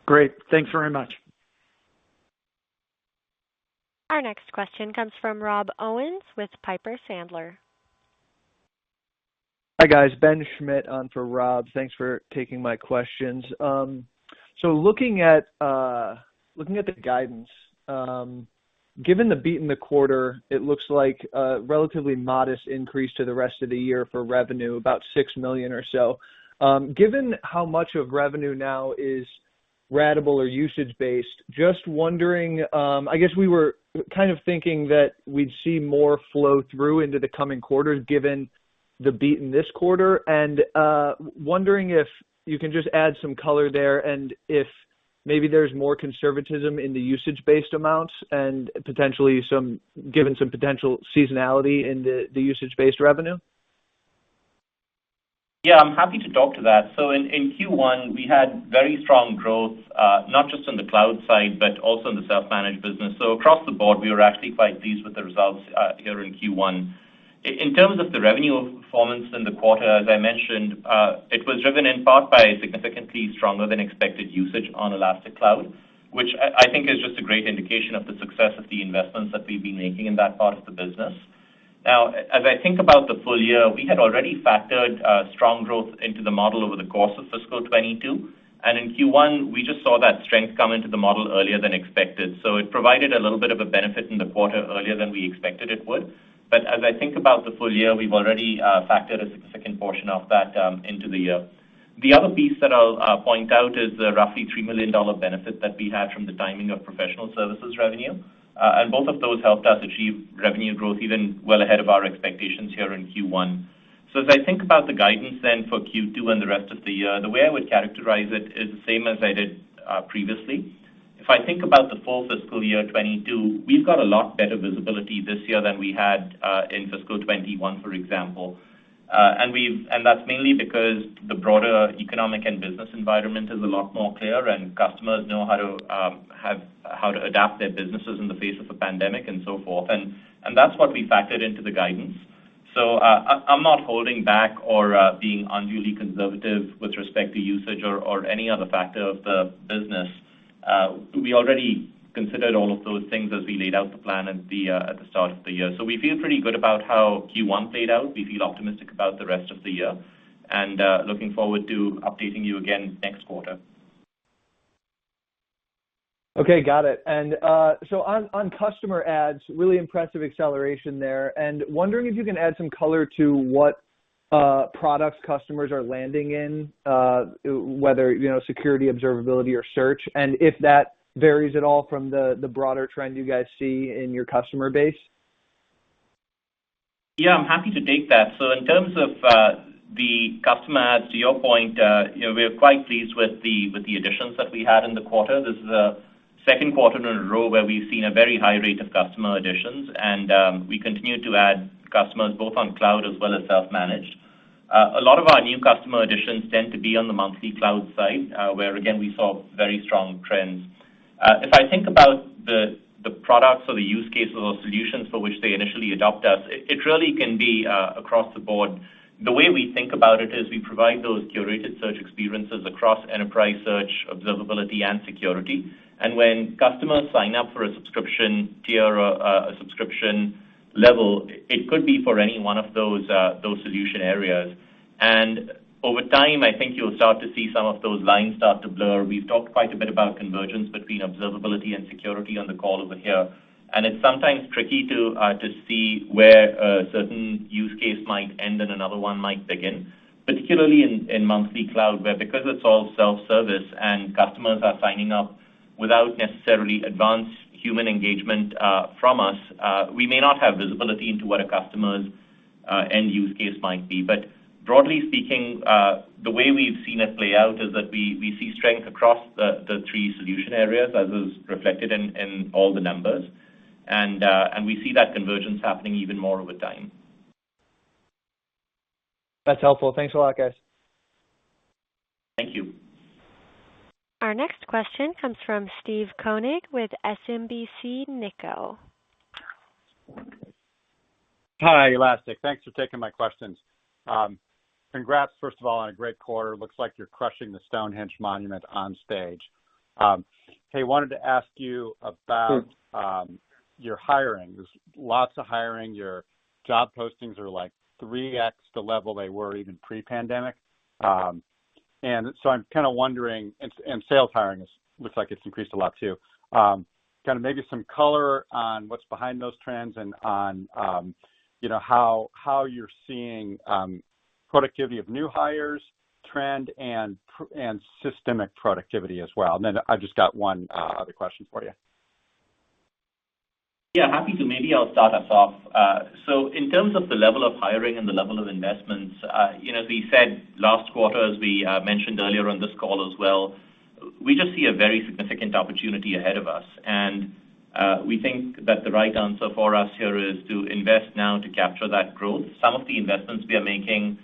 Great. Thanks very much. Our next question comes from Rob Owens with Piper Sandler. Hi, guys. Ben Schmidt on for Rob. Thanks for taking my questions. Looking at the guidance, given the beat in the quarter, it looks like a relatively modest increase to the rest of the year for revenue, about $6 million or so. Given how much of revenue now is ratable or usage-based, just wondering, I guess we were kind of thinking that we'd see more flow through into the coming quarters given the beat in this quarter. Wondering if you can just add some color there, and if maybe there's more conservatism in the usage-based amounts and potentially given some potential seasonality in the usage-based revenue. Yeah, I'm happy to talk to that. In Q1, we had very strong growth, not just on the cloud side, but also in the self-managed business. Across the board, we were actually quite pleased with the results here in Q1. In terms of the revenue performance in the quarter, as I mentioned, it was driven in part by significantly stronger than expected usage on Elastic Cloud, which I think is just a great indication of the success of the investments that we've been making in that part of the business. Now, as I think about the full-year, we had already factored strong growth into the model over the course of fiscal 2022, and in Q1, we just saw that strength come into the model earlier than expected. It provided a little bit of a benefit in the quarter earlier than we expected it would. As I think about the full-year, we've already factored a significant portion of that into the year. The other piece that I'll point out is the roughly $3 million benefit that we had from the timing of professional services revenue. Both of those helped us achieve revenue growth even well ahead of our expectations here in Q1. As I think about the guidance then for Q2 and the rest of the year, the way I would characterize it is the same as I did previously. If I think about the full fiscal year 2022, we've got a lot better visibility this year than we had in fiscal 2021, for example, and that's mainly because the broader economic and business environment is a lot more clear and customers know how to adapt their businesses in the face of a pandemic and so forth. That's what we factored into the guidance. I'm not holding back or being unduly conservative with respect to usage or any other factor of the business. We already considered all of those things as we laid out the plan at the start of the year. We feel pretty good about how Q1 played out. We feel optimistic about the rest of the year, and looking forward to updating you again next quarter. Okay, got it. On customer adds, really impressive acceleration there, and wondering if you can add some color to what products customers are landing in, whether Security, Observability, or search, and if that varies at all from the broader trend you guys see in your customer base. I'm happy to take that. In terms of the customer adds, to your point, we are quite pleased with the additions that we had in the quarter. This is the second quarter in a row where we've seen a very high rate of customer additions, and we continue to add customers both on cloud as well as self-managed. A lot of our new customer additions tend to be on the monthly cloud side, where again, we saw very strong trends. If I think about the products or the use cases or solutions for which they initially adopt us, it really can be across the board. The way we think about it is we provide those curated search experiences across Enterprise Search, Observability, and Security. When customers sign up for a tier or a subscription level, it could be for any one of those solution areas. Over time, I think you'll start to see some of those lines start to blur. We've talked quite a bit about convergence between observability and security on the call over here, and it's sometimes tricky to see where a certain use case might end and another one might begin, particularly in Monthly Cloud, where because it's all self-service and customers are signing up without necessarily advanced human engagement from us, we may not have visibility into what a customer's end use case might be. Broadly speaking, the way we've seen it play out is that we see strength across the three solution areas, as is reflected in all the numbers. We see that convergence happening even more over time. That's helpful. Thanks a lot, guys. Thank you. Our next question comes from Steve Koenig with SMBC Nikko. Hi, Elastic. Thanks for taking my questions. Congrats, first of all, on a great quarter. Looks like you're crushing the Stonehenge monument on stage. Hey, wanted to ask you about your hiring. There's lots of hiring. Your job postings are, like, 3X the level they were even pre-pandemic. I'm kind of wondering, and sales hiring looks like it's increased a lot, too. Kind of maybe some color on what's behind those trends and on how you're seeing productivity of new hires trend and systemic productivity as well. I've just got one other question for you. Yeah, happy to. Maybe I'll start us off. In terms of the level of hiring and the level of investments, as we said last quarter, as we mentioned earlier on this call as well, we just see a very significant opportunity ahead of us. We think that the right answer for us here is to invest now to capture that growth. Some of the investments we are making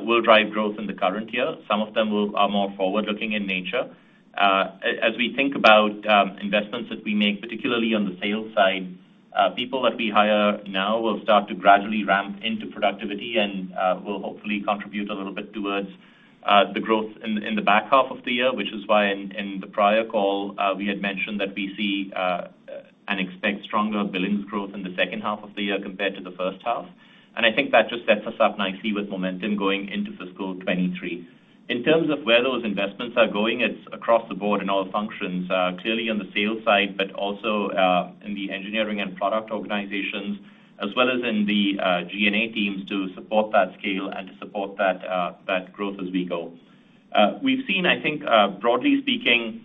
will drive growth in the current year. Some of them are more forward-looking in nature. As we think about investments that we make, particularly on the sales side, people that we hire now will start to gradually ramp into productivity and will hopefully contribute a little bit towards the growth in the back half of the year, which is why in the prior call, we had mentioned that we see and expect stronger billings growth in the second half of the year compared to the first half. I think that just sets us up nicely with momentum going into fiscal 2023. In terms of where those investments are going, it's across the board in all functions. Clearly on the sales side, but also in the engineering and product organizations, as well as in the G&A teams to support that scale and to support that growth as we go. We've seen, I think, broadly speaking,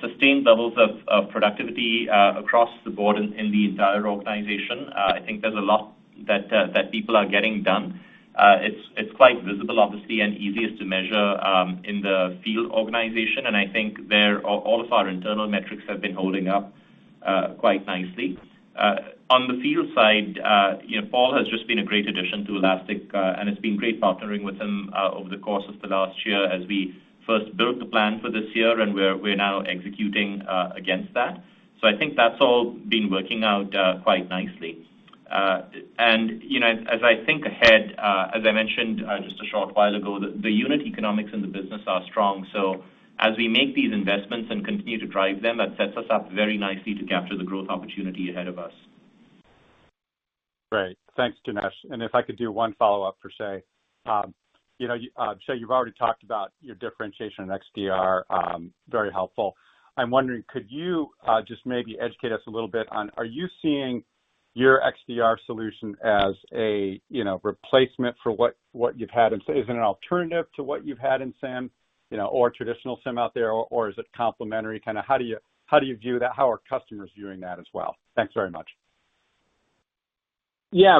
sustained levels of productivity across the board in the entire organization. I think there's a lot that people are getting done. It's quite visible, obviously, and easiest to measure in the field organization, and I think there, all of our internal metrics have been holding up quite nicely. On the field side, Paul has just been a great addition to Elastic, and it's been great partnering with him over the course of the last year as we first built the plan for this year, and we're now executing against that. I think that's all been working out quite nicely. As I think ahead, as I mentioned just a short while ago, the unit economics in the business are strong, so as we make these investments and continue to drive them, that sets us up very nicely to capture the growth opportunity ahead of us. Great. Thanks, Janesh. If I could do one follow-up for Shay. Shay, you've already talked about your differentiation in XDR. Very helpful. I'm wondering, could you just maybe educate us a little bit on, are you seeing your XDR solution as a replacement? Is it an alternative to what you've had in SIEM, or traditional SIEM out there, or is it complementary? Kind of how do you view that? How are customers viewing that as well? Thanks very much. Yeah.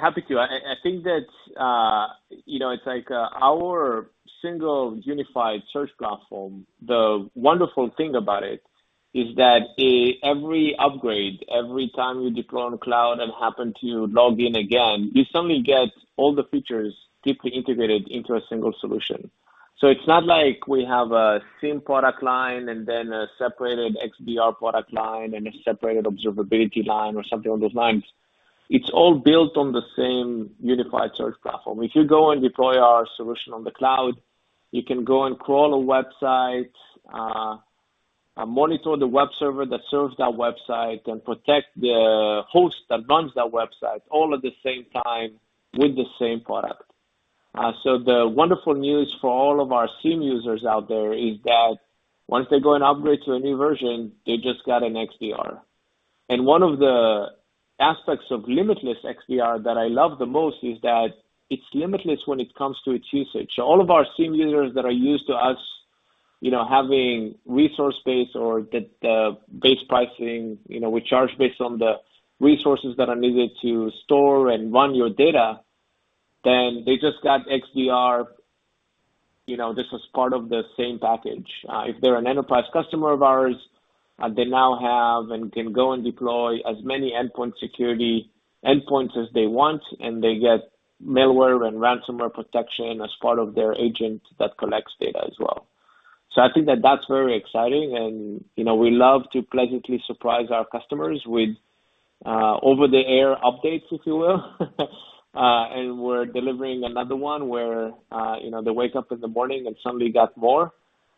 Happy to. I think that it's like our single unified search platform. The wonderful thing about it is that every upgrade, every time you deploy on cloud and happen to log in again, you suddenly get all the features deeply integrated into a single solution. It's not like we have a SIEM product line and then a separated XDR product line and a separated observability line or something along those lines. It's all built on the same unified search platform. If you go and deploy our solution on the cloud, you can go and crawl a website, monitor the web server that serves that website, and protect the host that runs that website all at the same time with the same product. The wonderful news for all of our SIEM users out there is that once they go and upgrade to a new version, they just got an XDR. One of the aspects of Limitless XDR that I love the most is that it's limitless when it comes to its usage. All of our SIEM users that are used to us having resource-based or the base pricing, we charge based on the resources that are needed to store and run your data, then they just got XDR. This is part of the same package. If they're an enterprise customer of ours, they now have and can go and deploy as many endpoint security endpoints as they want, and they get malware and ransomware protection as part of their agent that collects data as well. I think that that's very exciting, we love to pleasantly surprise our customers with over-the-air updates, if you will. We're delivering another one where they wake up in the morning and suddenly got more,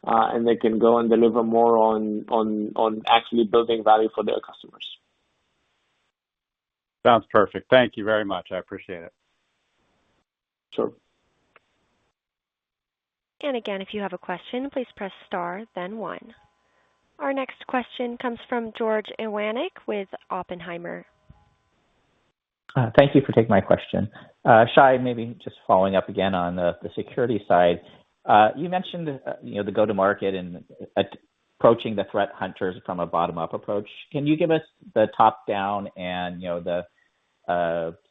and they can go and deliver more on actually building value for their customers. Sounds perfect. Thank you very much. I appreciate it. Sure. Again, if you have a question, please press star then one. Our next question comes from George Iwanyc with Oppenheimer. Thank you for taking my question. Shay, maybe just following up again on the security side. You mentioned the go-to-market and approaching the threat hunters from a bottom-up approach. Can you give us the top-down and the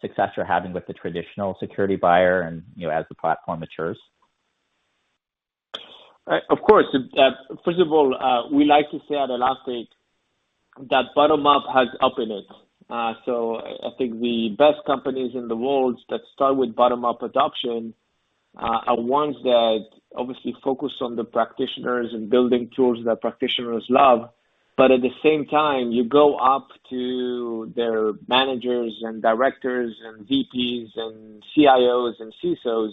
success you're having with the traditional security buyer and as the platform matures? Of course. First of all, we like to say at Elastic that bottom-up has up in it. I think the best companies in the world that start with bottom-up adoption are ones that obviously focus on the practitioners and building tools that practitioners love. At the same time, you go up to their managers and directors and VPs and CIOs and CISOs,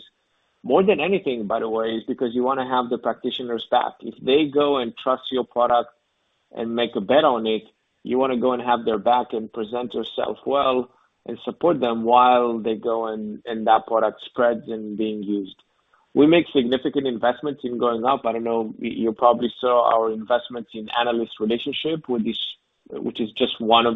more than anything, by the way, is because you want to have the practitioner's back. If they go and trust your product and make a bet on it, you want to go and have their back and present yourself well and support them while they go and that product spreads and being used. We make significant investments in going up. I don't know, you probably saw our investments in analyst relationship, which is just one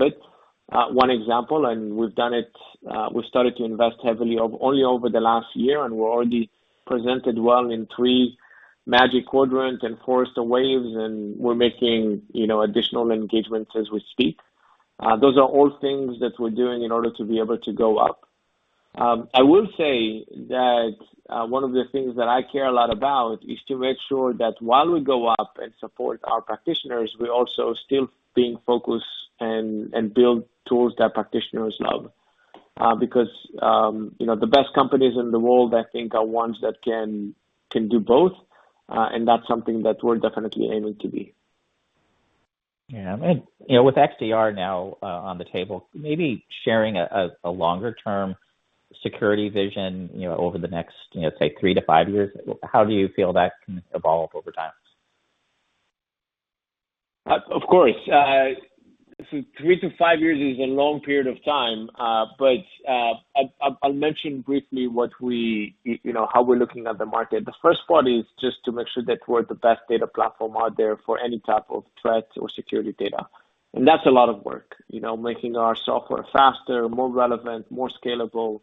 example. We've started to invest heavily only over the last year. We're already presented well in three Magic Quadrants and Forrester Waves. We're making additional engagements as we speak. Those are all things that we're doing in order to be able to go up. I will say that one of the things that I care a lot about is to make sure that while we go up and support our practitioners, we also still being focused and build tools that practitioners love. The best companies in the world, I think, are ones that can do both, and that's something that we're definitely aiming to be. Yeah. With XDR now on the table, maybe sharing a longer-term security vision over the next, say, 3-5 years, how do you feel that can evolve over time? Of course. three- five years is a long period of time, but I'll mention briefly how we're looking at the market. The first part is just to make sure that we're the best data platform out there for any type of threat or security data. That's a lot of work. Making our software faster, more relevant, more scalable,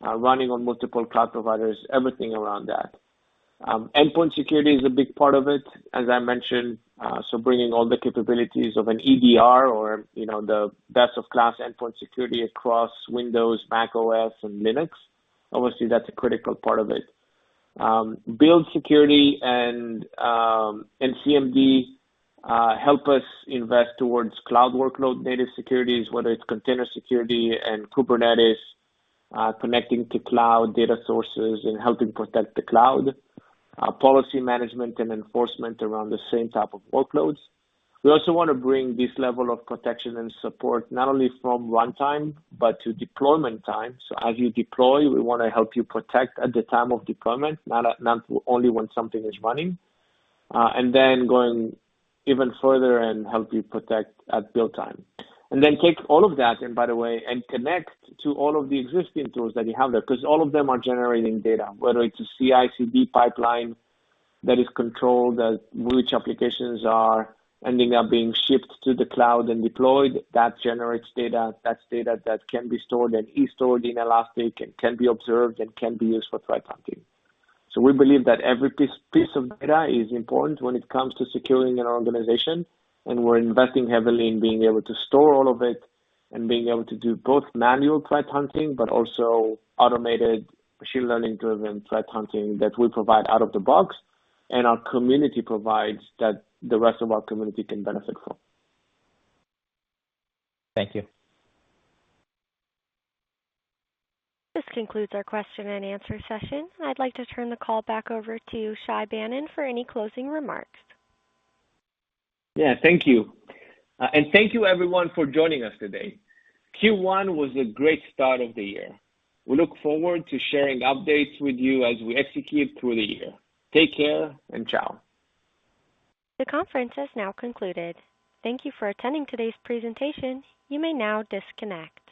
running on multiple cloud providers, everything around that. Endpoint security is a big part of it, as I mentioned. Bringing all the capabilities of an EDR or the best-of-class endpoint security across Windows, macOS, and Linux. Obviously, that's a critical part of it. Build.Security and Cmd help us invest towards cloud workload native securities, whether it's container security and Kubernetes, connecting to cloud data sources and helping protect the cloud, policy management and enforcement around the same type of workloads. We also want to bring this level of protection and support not only from runtime but to deployment time. As you deploy, we want to help you protect at the time of deployment, not only when something is running. Going even further and help you protect at build time. Take all of that, and by the way, and connect to all of the existing tools that you have there because all of them are generating data, whether it's a CI/CD pipeline that is controlled, which applications are ending up being shipped to the cloud and deployed, that generates data. That's data that can be stored and is stored in Elastic and can be observed and can be used for threat hunting. We believe that every piece of data is important when it comes to securing an organization, and we're investing heavily in being able to store all of it and being able to do both manual threat hunting, but also automated machine learning-driven threat hunting that we provide out of the box, and our community provides that the rest of our community can benefit from. Thank you. This concludes our question-and-answer session. I'd like to turn the call back over to Shay Banon for any closing remarks. Yeah. Thank you. Thank you everyone for joining us today. Q1 was a great start of the year. We look forward to sharing updates with you as we execute through the year. Take care, and ciao. The conference has now concluded. Thank you for attending today's presentation. You may now disconnect.